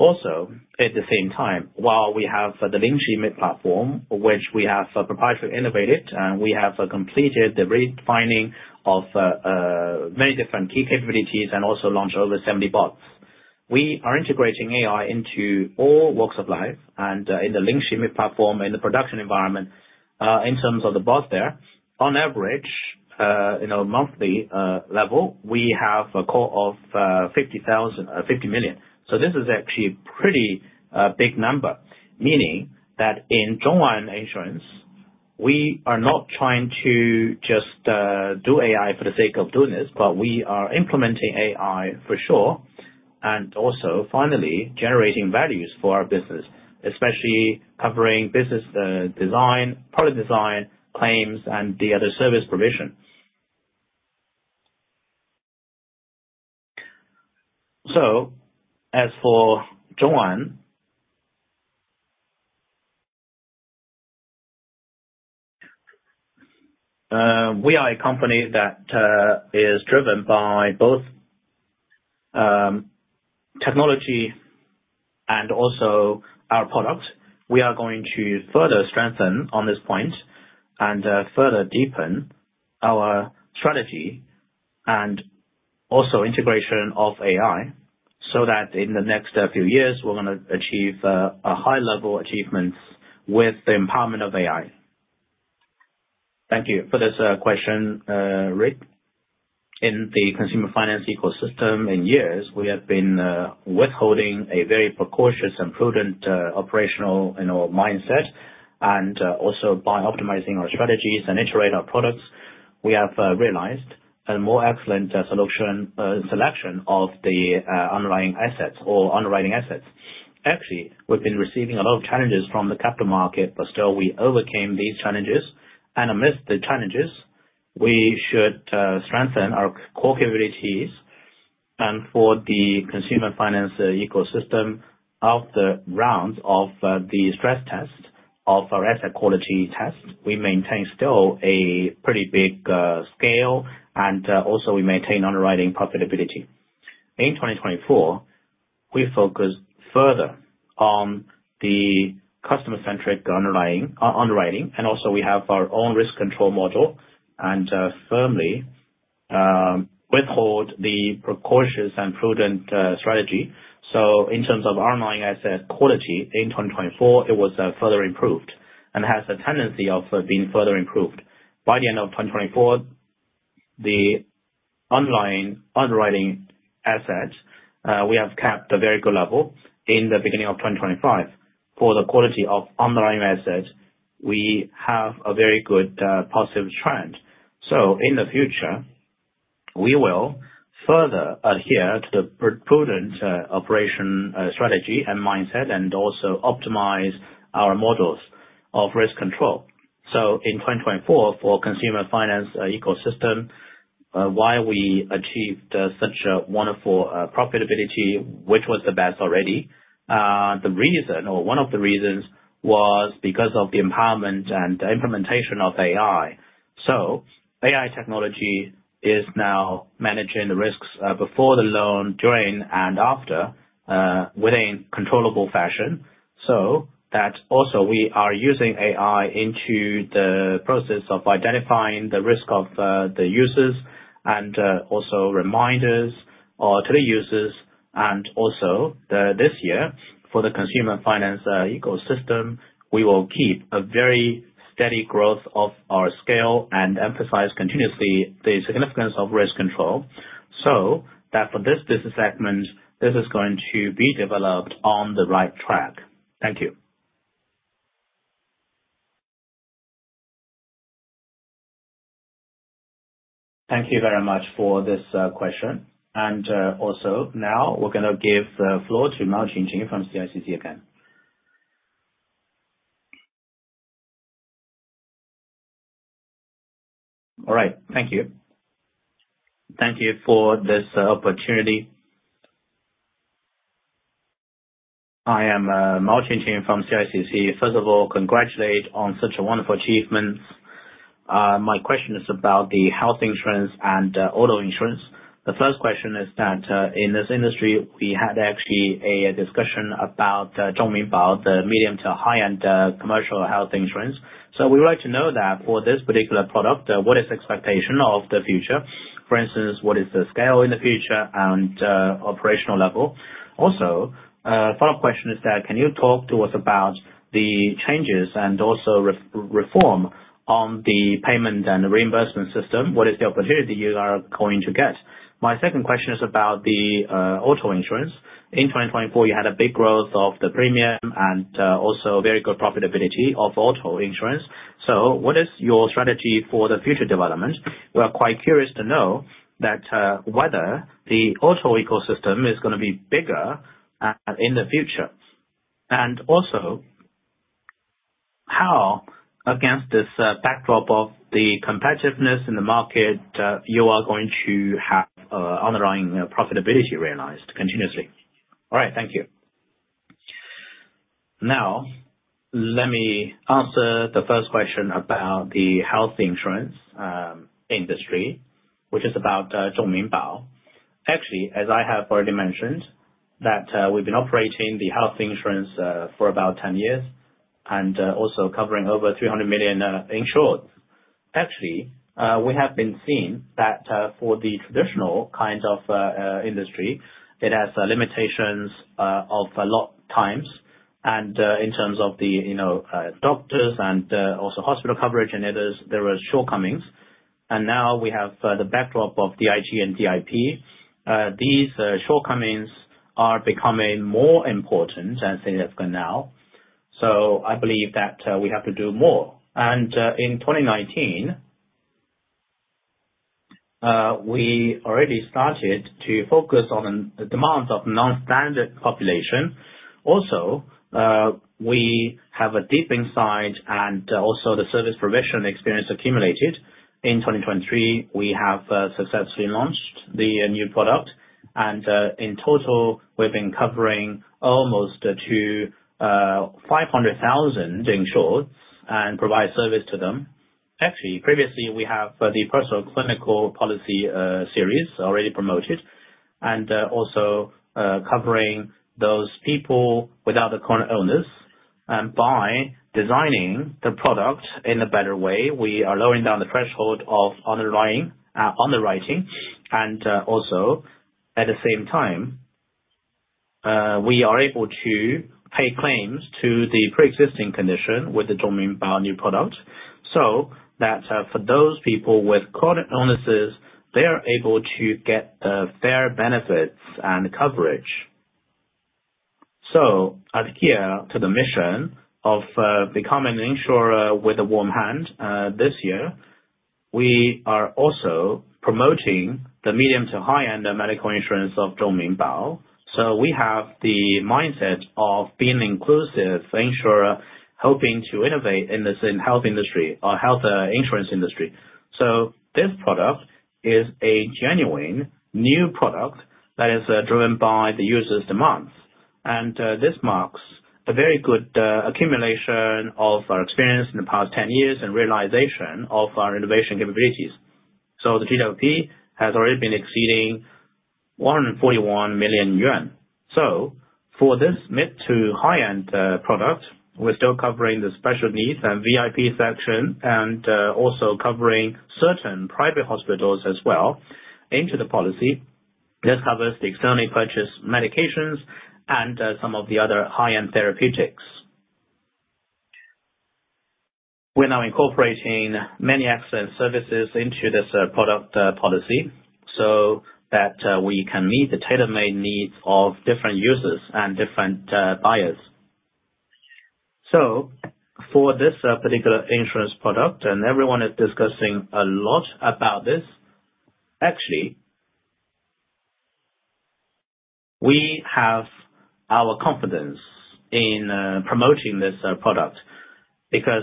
At the same time, while we have the Lingxi mid-platform, which we have proprietary innovated and we have completed the refining of many different key capabilities and launched over 70 bots. We are integrating AI into all walks of life and in the Lingxi mid-platform, in the production environment, in terms of the bot there. On average, in a monthly level, we have a call of 50 million. This is actually a pretty big number, meaning that in ZhongAn Insurance, we are not trying to just do AI for the sake of doing this, but we are implementing AI for sure, and finally generating values for our business, especially covering business design, product design, claims, and the other service provision. As for ZhongAn, we are a company that is driven by both technology and our product. We are going to further strengthen on this point and further deepen our strategy and also integration of AI, in the next few years, we're going to achieve a high-level achievement with the empowerment of AI. Thank you for this question, Rick. In the consumer finance ecosystem, in years, we have been withholding a very precautious and prudent operational mindset, and also by optimizing our strategies and iterate our products. We have realized a more excellent selection of the underlying assets or underwriting assets. Actually, we've been receiving a lot of challenges from the capital market, but still we overcame these challenges. Amidst the challenges, we should strengthen our core capabilities. For the consumer finance ecosystem of the rounds of the stress test of our asset quality test, we maintain still a pretty big scale and also we maintain underwriting profitability. In 2024, we focus further on the customer-centric underwriting, and also we have our own risk control model, and firmly withhold the precautious and prudent strategy. In terms of underlying asset quality in 2024, it was further improved, and has a tendency of being further improved. By the end of 2024, the underwriting assets, we have kept a very good level in the beginning of 2025. For the quality of underlying assets, we have a very good positive trend. In the future, we will further adhere to the prudent operation strategy and mindset, and also optimize our models of risk control. In 2024, for consumer finance ecosystem, while we achieved such a wonderful profitability, which was the best already, the reason or one of the reasons, was because of the empowerment and implementation of AI. AI technology is now managing the risks before the loan, during, and after, within controllable fashion. Also we are using AI into the process of identifying the risk of the users and also reminders to the users. This year, for the consumer finance ecosystem, we will keep a very steady growth of our scale and emphasize continuously the significance of risk control, so that for this business segment, this is going to be developed on the right track. Thank you. Thank you very much for this question. Now we're going to give the floor to Mao Zhenjiang from CICC again. All right. Thank you. Thank you for this opportunity. I am Mao Zhenjiang from CICC. First of all, congratulate on such a wonderful achievement. My question is about the health insurance and auto insurance. The first question is that, in this industry, we had actually a discussion about Zhongminbao, the medium to high-end commercial health insurance. We would like to know that for this particular product, what is expectation of the future? For instance, what is the scale in the future and operational level? Also, a follow-up question is that, can you talk to us about the changes and also reform on the payment and reimbursement system? What is the opportunity you are going to get? My second question is about the auto insurance. In 2024, you had a big growth of the premium and also very good profitability of auto insurance. What is your strategy for the future development? We are quite curious to know that whether the auto ecosystem is going to be bigger in the future. How against this backdrop of the competitiveness in the market, you are going to have underlying profitability realized continuously. Let me answer the first question about the health insurance industry, which is about Zhongminbao. As I have already mentioned, that we've been operating the health insurance for about 10 years and also covering over 300 million insureds. We have been seeing that for the traditional kinds of industry, it has limitations of a lot times. In terms of the doctors and also hospital coverage and others, there were shortcomings. Now we have the backdrop of DRG and DIP. These shortcomings are becoming more important and significant now. I believe that we have to do more. In 2019, we already started to focus on demands of non-standard population. We have a deep insight and also the service provision experience accumulated. In 2023, we have successfully launched the new product, and in total, we've been covering almost to 500,000 insureds and provide service to them. Previously we have the Personal Clinic Policy series already promoted, and also covering those people without the chronic illness. By designing the product in a better way, we are lowering down the threshold of underwriting. At the same time, we are able to pay claims to the preexisting condition with the Zhongminbao new product, so that for those people with chronic illnesses, they are able to get fair benefits and coverage. Adhere to the mission of becoming an insurer with a warm hand. This year, we are also promoting the medium to high-end medical insurance of Zhongminbao. We have the mindset of being inclusive insurer, hoping to innovate in this health industry or health insurance industry. This product is a genuine new product that is driven by the user's demands. This marks a very good accumulation of our experience in the past 10 years and realization of our innovation capabilities. The GWP has already been exceeding 141 million yuan. For this mid to high-end product, we're still covering the special needs and VIP section, and also covering certain private hospitals as well into the policy. This covers the externally purchased medications and some of the other high-end therapeutics. We're now incorporating many excellent services into this product policy, so that we can meet the tailor-made needs of different users and different buyers. For this particular insurance product, everyone is discussing a lot about this, we have our confidence in promoting this product because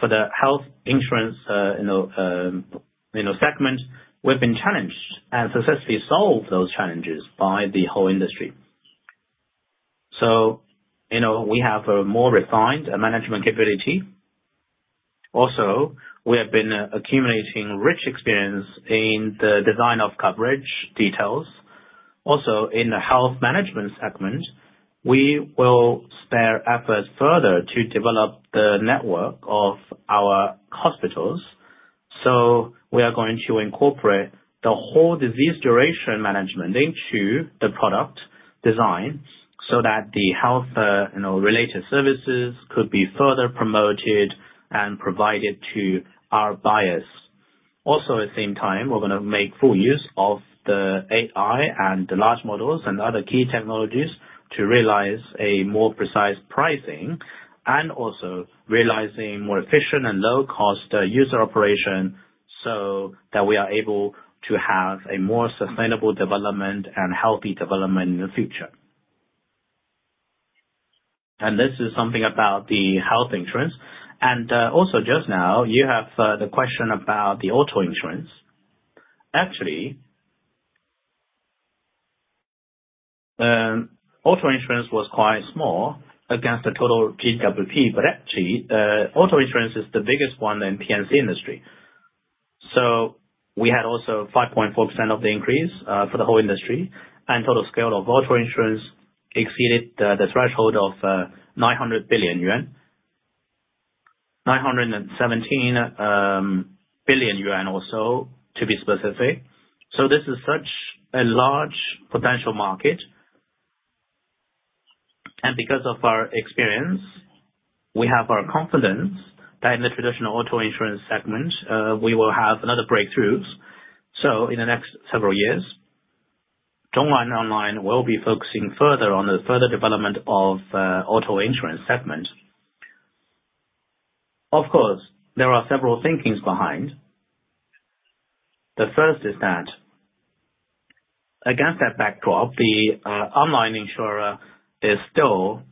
for the health insurance segment, we've been challenged and successfully solved those challenges by the whole industry. We have a more refined management capability. We have been accumulating rich experience in the design of coverage details. In the health management segment, we will spare efforts further to develop the network of our hospitals. We are going to incorporate the whole disease duration management into the product design so that the health related services could be further promoted and provided to our buyers. At the same time, we're going to make full use of the AI and the large models and other key technologies to realize a more precise pricing, and also realizing more efficient and low-cost user operation, that we are able to have a more sustainable development and healthy development in the future. This is something about the health insurance. Just now, you have the question about the auto insurance. Actually, auto insurance was quite small against the total GWP, but actually, auto insurance is the biggest one in P&C industry. We had also 5.4% of the increase for the whole industry, and total scale of auto insurance exceeded the threshold of 900 billion yuan. 917 billion yuan or so to be specific. This is such a large potential market. Because of our experience, we have our confidence that in the traditional auto insurance segment, we will have another breakthroughs. In the next several years, ZhongAn Online will be focusing further on the further development of auto insurance segment. There are several thinkings behind. The first is that against that backdrop, the online insurer is still,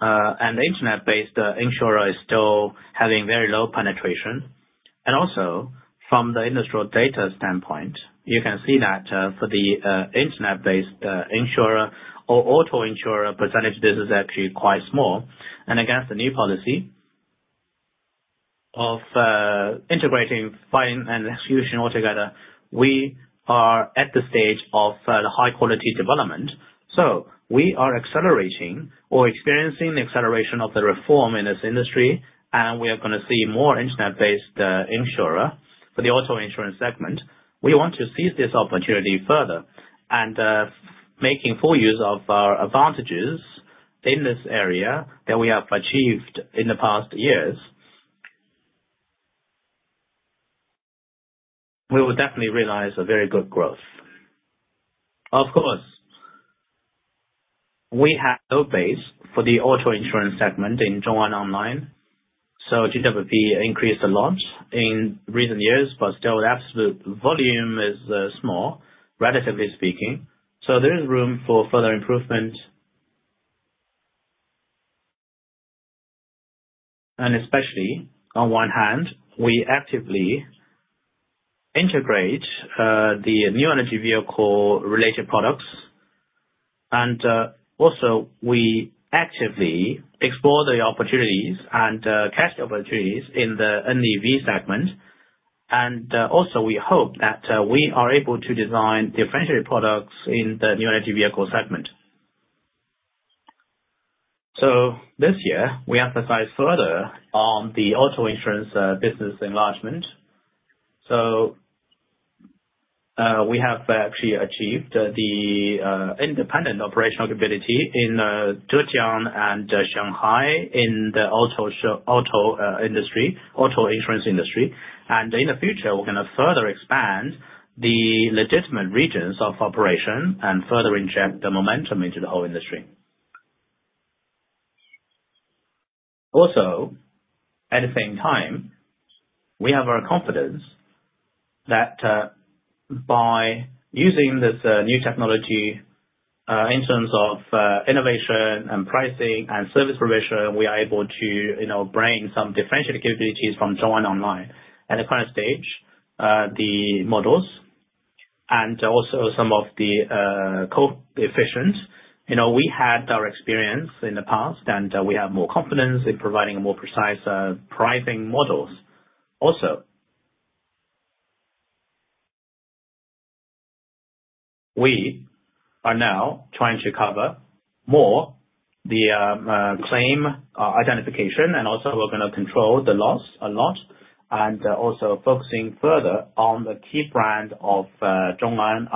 and the internet-based insurer is still having very low penetration. From the industrial data standpoint, you can see that for the internet-based insurer or auto insurer percentage, this is actually quite small. Against the new policy of integrating fine and execution altogether, we are at the stage of the high-quality development. We are accelerating or experiencing the acceleration of the reform in this industry, and we are going to see more internet-based insurer for the auto insurance segment. We want to seize this opportunity further and making full use of our advantages in this area that we have achieved in the past years. We will definitely realize a very good growth. We have a base for the auto insurance segment in ZhongAn Online, GWP increased a lot in recent years, but still the absolute volume is small, relatively speaking. There is room for further improvement. Especially on one hand, we actively integrate the new energy vehicle related products. We actively explore the opportunities and catch the opportunities in the NEV segment. We hope that we are able to design differentiated products in the new energy vehicle segment. This year, we emphasized further on the auto insurance business enlargement. We have actually achieved the independent operational capability in Zhejiang and Shanghai in the auto insurance industry. In the future, we're going to further expand the legitimate regions of operation and further inject the momentum into the whole industry. At the same time, we have our confidence that by using this new technology in terms of innovation and pricing and service provision, we are able to bring some differentiated capabilities from ZhongAn Online. At the current stage, the models and also some of the coefficient, we had our experience in the past, and we have more confidence in providing more precise pricing models. We are now trying to cover more the claim identification, and also we're going to control the loss a lot, and also focusing further on the key brand of ZhongAn.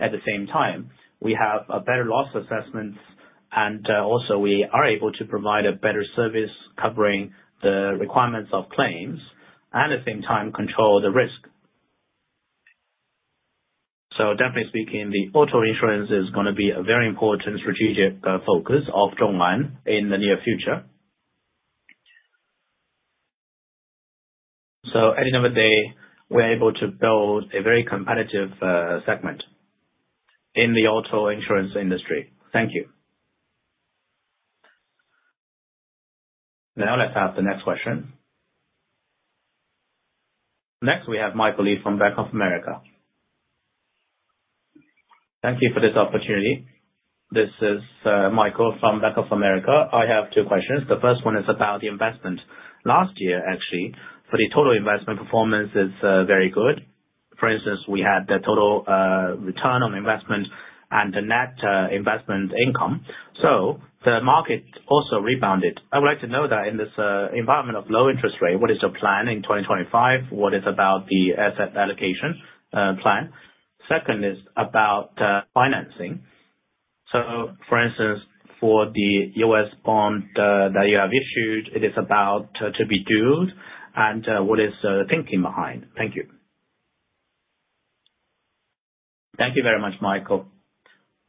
At the same time, we have a better loss assessments, and also we are able to provide a better service covering the requirements of claims, and at the same time, control the risk. Definitely speaking, the auto insurance is going to be a very important strategic focus of ZhongAn in the near future. At the end of the day, we're able to build a very competitive segment in the auto insurance industry. Thank you. Let's have the next question. Next, we have Michael Lee from Bank of America. Thank you for this opportunity. This is Michael from Bank of America. I have two questions. The first one is about the investment. Last year, actually, for the total investment performance is very good. For instance, we had the total return on investment and the net investment income. The market also rebounded. I would like to know that in this environment of low interest rate, what is your plan in 2025? What is about the asset allocation plan? Second is about financing. For instance, for the U.S. bond that you have issued, it is about to be due, and what is the thinking behind? Thank you. Thank you very much, Michael.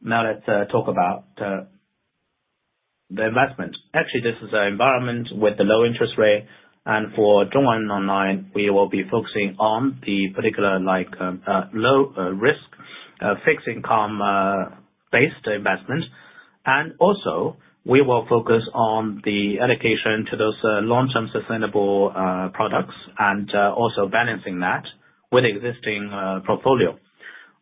Let's talk about the investment. Actually, this is an environment with a low interest rate, and for ZhongAn Online, we will be focusing on the particular low risk fixed income-based investment. We will focus on the allocation to those long-term sustainable products, and also balancing that with existing portfolio.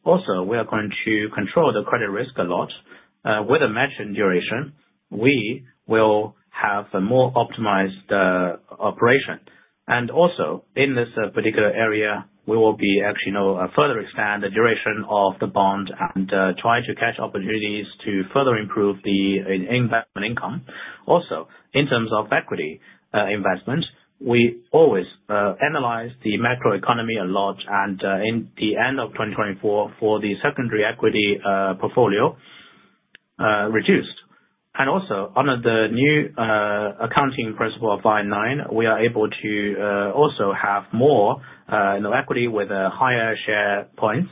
Also, we are going to control the credit risk a lot. With a matching duration, we will have a more optimized operation. In this particular area, we will be actually further expand the duration of the bond and try to catch opportunities to further improve the investment income. Also, in terms of equity investment, we always analyze the macroeconomy a lot, and in the end of 2024, for the secondary equity portfolio, reduced. Under the new accounting principle of IFRS 9, we are able to also have more equity with higher share points.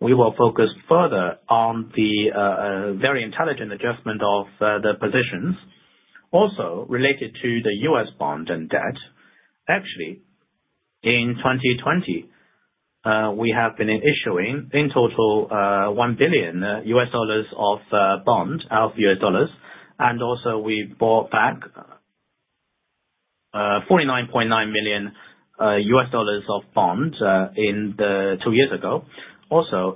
We will focus further on the very intelligent adjustment of the positions. Also related to the U.S. bond and debt. In 2020, we have been issuing, in total, $1 billion of bond of U.S. dollars. We bought back $49.9 million of bond two years ago.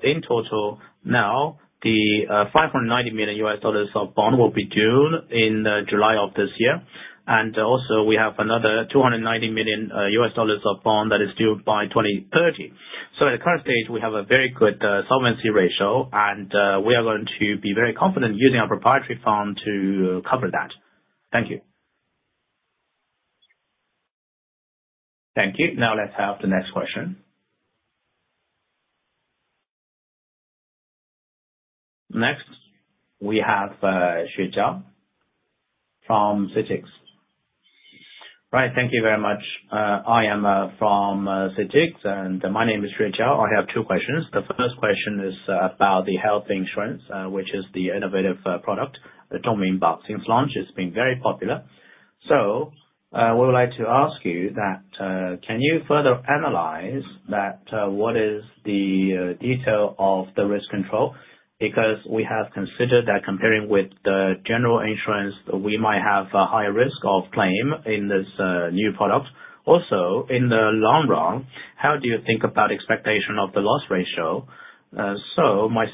In total now, the $590 million of bond will be due in July of this year. We have another $290 million of bond that is due by 2030. At the current stage, we have a very good solvency ratio, and we are going to be very confident using our proprietary fund to cover that. Thank you. Thank you. Let's have the next question. Next, we have Shi Chao from CITIC. Right. Thank you very much. I am from CITIC, and my name is Shi Chao. I have two questions. The first question is about the health insurance, which is the innovative product, Zhongminbao. Since launch, it's been very popular. I would like to ask you that, can you further analyze that, what is the detail of the risk control? Because we have considered that comparing with the general insurance, we might have a higher risk of claim in this new product. My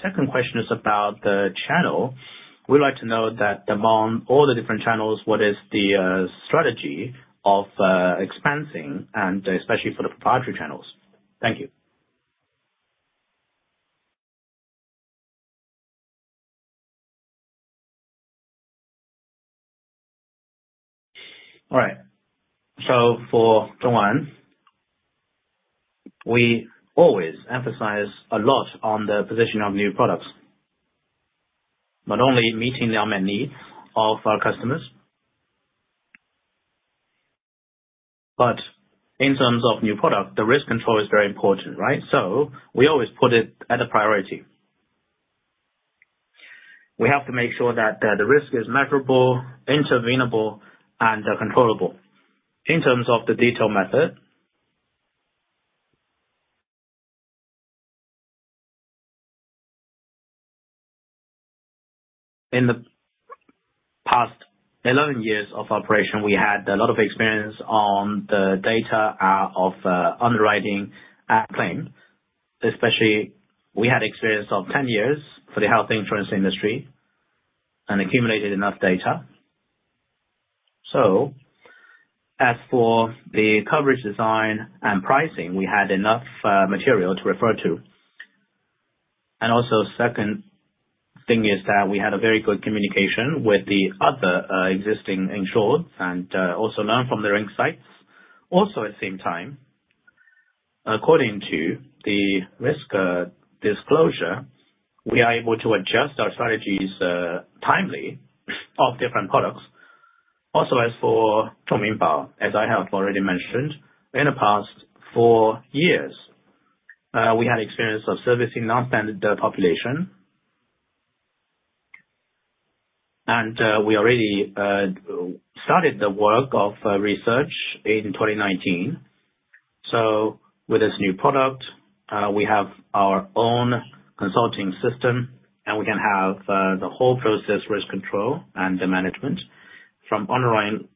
second question is about the channel. We'd like to know that among all the different channels, what is the strategy of expanding, and especially for the proprietary channels. Thank you. All right. For ZhongAn, we always emphasize a lot on the position of new products. Not only meeting the unmet needs of our customers, but in terms of new product, the risk control is very important, right? We always put it as a priority. We have to make sure that the risk is measurable, intervenable, and controllable. In the past 11 years of operation, we had a lot of experience on the data of underwriting claim, especially we had experience of 10 years for the health insurance industry and accumulated enough data. As for the coverage design and pricing, we had enough material to refer to. Also second thing is that we had a very good communication with the other existing insured and also learned from their insights. At the same time, according to the risk disclosure, we are able to adjust our strategies timely of different products. As for Zhongminbao, as I have already mentioned, in the past four years, we had experience of servicing non-standard population. We already started the work of research in 2019. With this new product, we have our own consulting system and we can have the whole process risk control and the management from underlying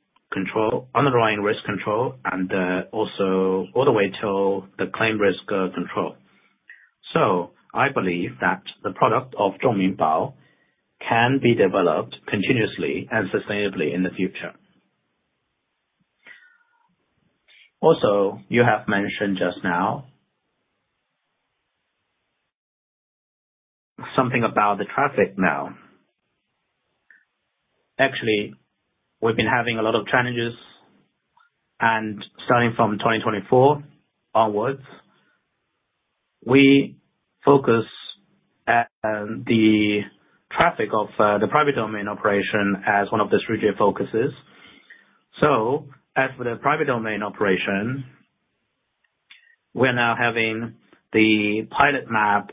risk control and also all the way till the claim risk control. I believe that the product of Zhongminbao can be developed continuously and sustainably in the future. You have mentioned just now something about the traffic now. Actually, we've been having a lot of challenges and starting from 2024 onwards, we focus the traffic of the private domain operation as one of the strategic focuses. As for the private domain operation, we're now having the pilot map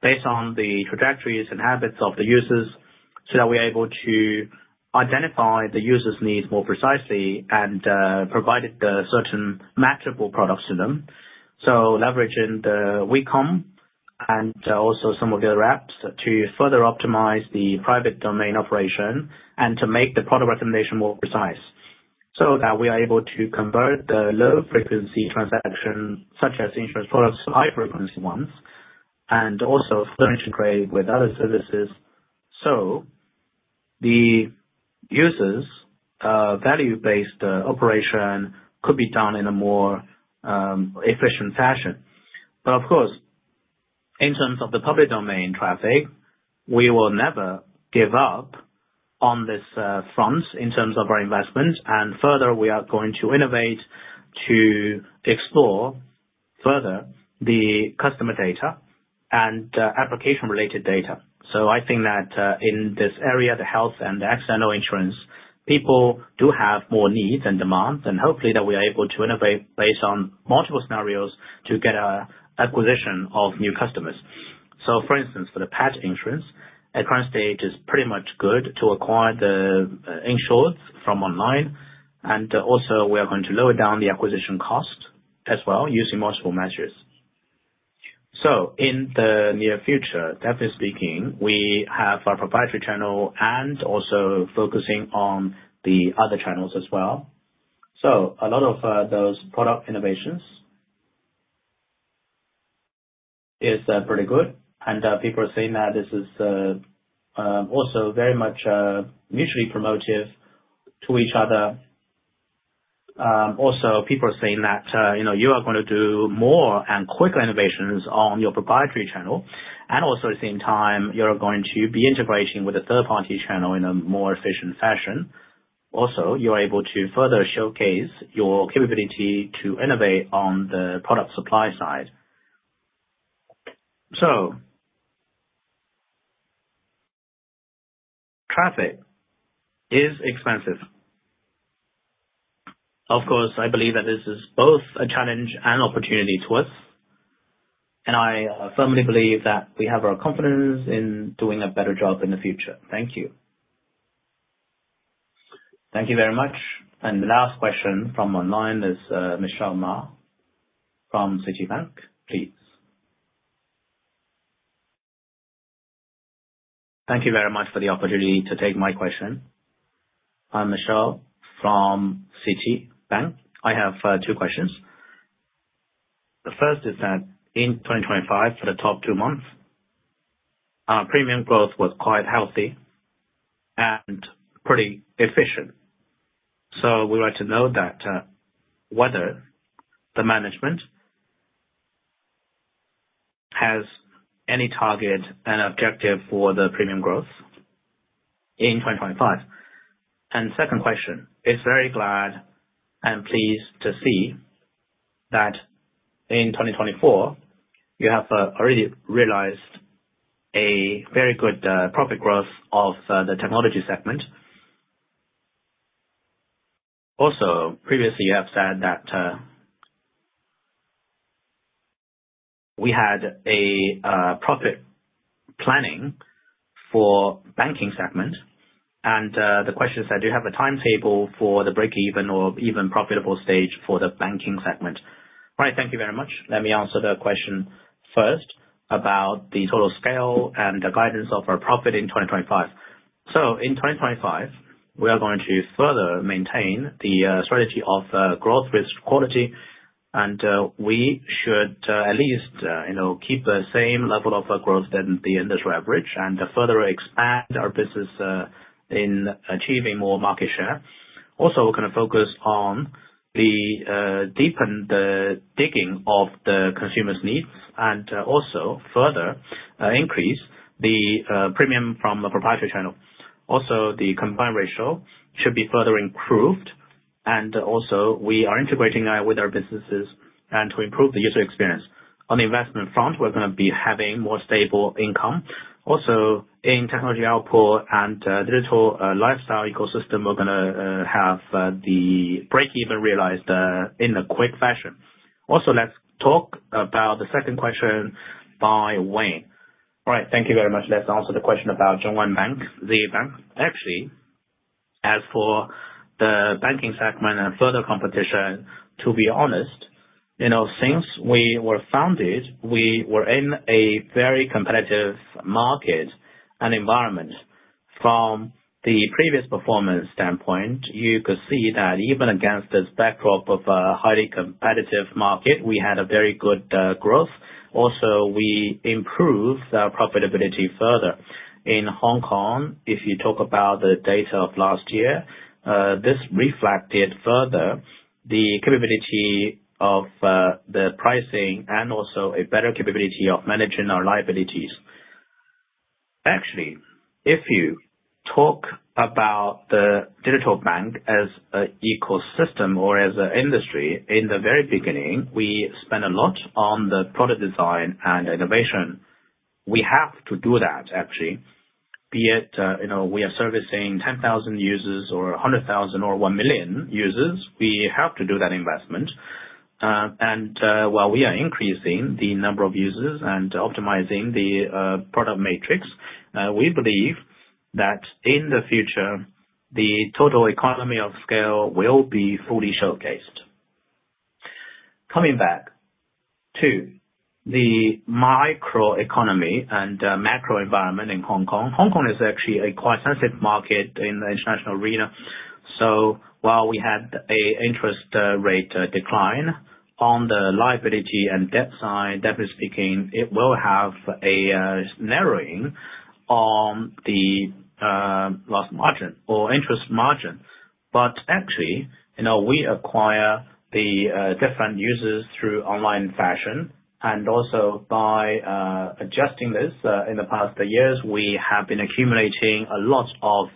based on the trajectories and habits of the users so that we're able to identify the user's needs more precisely and provide the certain matchable products to them. Leveraging the WeCom and also some of the other apps to further optimize the private domain operation and to make the product recommendation more precise so that we are able to convert the low frequency transaction, such as insurance products to high frequency ones, and also further integrate with other services. The users' value-based operation could be done in a more efficient fashion. Of course, in terms of the public domain traffic, we will never give up on this front in terms of our investment. Further, we are going to innovate to explore further the customer data and application-related data. I think that in this area, the health and the accidental insurance, people do have more needs and demands, and hopefully that we are able to innovate based on multiple scenarios to get acquisition of new customers. For instance, for the pet insurance, at current stage is pretty much good to acquire the insured from online. Also we are going to lower down the acquisition cost as well using multiple measures. In the near future, definitely speaking, we have our proprietary channel and also focusing on the other channels as well. A lot of those product innovations is pretty good and people are saying that this is also very much mutually promotive to each other. People are saying that you are going to do more and quicker innovations on your proprietary channel and also at the same time you're going to be integrating with a third-party channel in a more efficient fashion. You're able to further showcase your capability to innovate on the product supply side. Traffic is expensive. Of course, I believe that this is both a challenge and opportunity to us, and I firmly believe that we have our confidence in doing a better job in the future. Thank you. Thank you very much. The last question from online is Michelle Ma from Citibank, please. Thank you very much for the opportunity to take my question. I'm Michelle Ma from Citibank. I have two questions. The first is that in 2025 for the top two months, premium growth was quite healthy and pretty efficient. We would like to know that whether the management has any target and objective for the premium growth in 2025. Second question is very glad and pleased to see that in 2024 you have already realized a very good profit growth of the technology segment. Previously you have said that we had a profit planning for banking segment. The question is that, do you have a timetable for the break even or even profitable stage for the banking segment? Right. Thank you very much. Let me answer the question first about the total scale and the guidance of our profit in 2025. In 2025, we are going to further maintain the strategy of growth with quality, and we should at least keep the same level of growth than the industry average, and further expand our business in achieving more market share. We're going to focus on deepen the digging of the customer's needs, and also further increase the premium from a proprietary channel. The combined ratio should be further improved. We are integrating that with our businesses and to improve the user experience. On the investment front, we're going to be having more stable income. In technology output and digital lifestyle ecosystem, we're going to have the break even realized in a quick fashion. Let's talk about the second question by Wayne. Right. Thank you very much. Let's answer the question about Zhongyuan Bank, the bank. As for the banking segment and further competition, to be honest, since we were founded, we were in a very competitive market and environment. From the previous performance standpoint, you could see that even against the backdrop of a highly competitive market, we had a very good growth. We improved our profitability further. In Hong Kong, if you talk about the data of last year, this reflected further the capability of the pricing and also a better capability of managing our liabilities. If you talk about the digital bank as a ecosystem or as an industry, in the very beginning, we spent a lot on the product design and innovation. We have to do that, actually. Be it we are servicing 10,000 users or 100,000 or 1 million users, we have to do that investment. While we are increasing the number of users and optimizing the product matrix, we believe that in the future, the total economy of scale will be fully showcased. Coming back to the microeconomy and macro environment in Hong Kong. Hong Kong is actually a quite sensitive market in the international arena. While we had a interest rate decline on the liability and debt side, relatively speaking, it will have a narrowing on the gross margin or interest margin. Actually, we acquire the different users through online fashion. Also by adjusting this, in the past years, we have been accumulating a lot of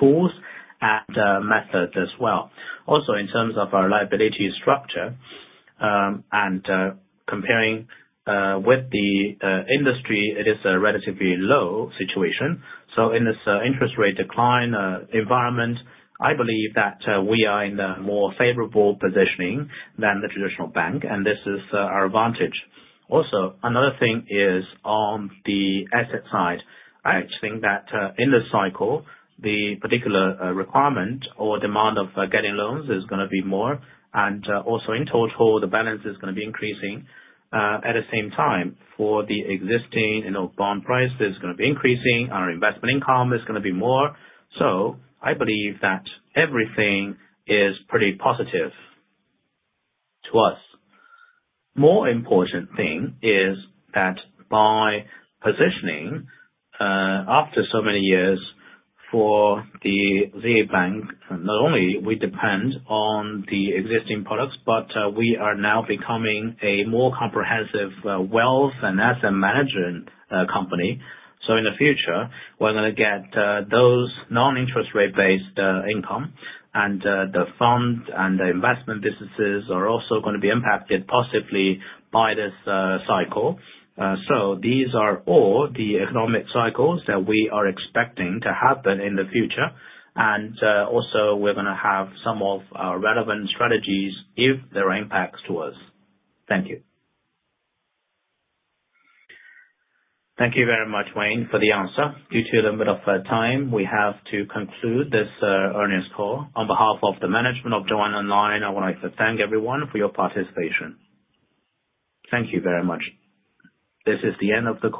tools and methods as well. Also, in terms of our liability structure, comparing with the industry, it is a relatively low situation. In this interest rate decline environment, I believe that we are in a more favorable positioning than the traditional bank, and this is our advantage. Also, another thing is on the asset side. I actually think that in this cycle, the particular requirement or demand of getting loans is going to be more. Also in total, the balance is going to be increasing. At the same time, for the existing bond price, it's going to be increasing. Our investment income is going to be more. I believe that everything is pretty positive to us. More important thing is that by positioning, after so many years for the ZA Bank, not only we depend on the existing products, but we are now becoming a more comprehensive wealth and asset management company. In the future, we're going to get those non-interest rate based income. The fund and the investment businesses are also going to be impacted positively by this cycle. These are all the economic cycles that we are expecting to happen in the future. Also we're going to have some of our relevant strategies if there are impacts to us. Thank you. Thank you very much, Wayne, for the answer. Due to a limit of time, we have to conclude this earnings call. On behalf of the management of ZhongAn Online, I would like to thank everyone for your participation. Thank you very much. This is the end of the call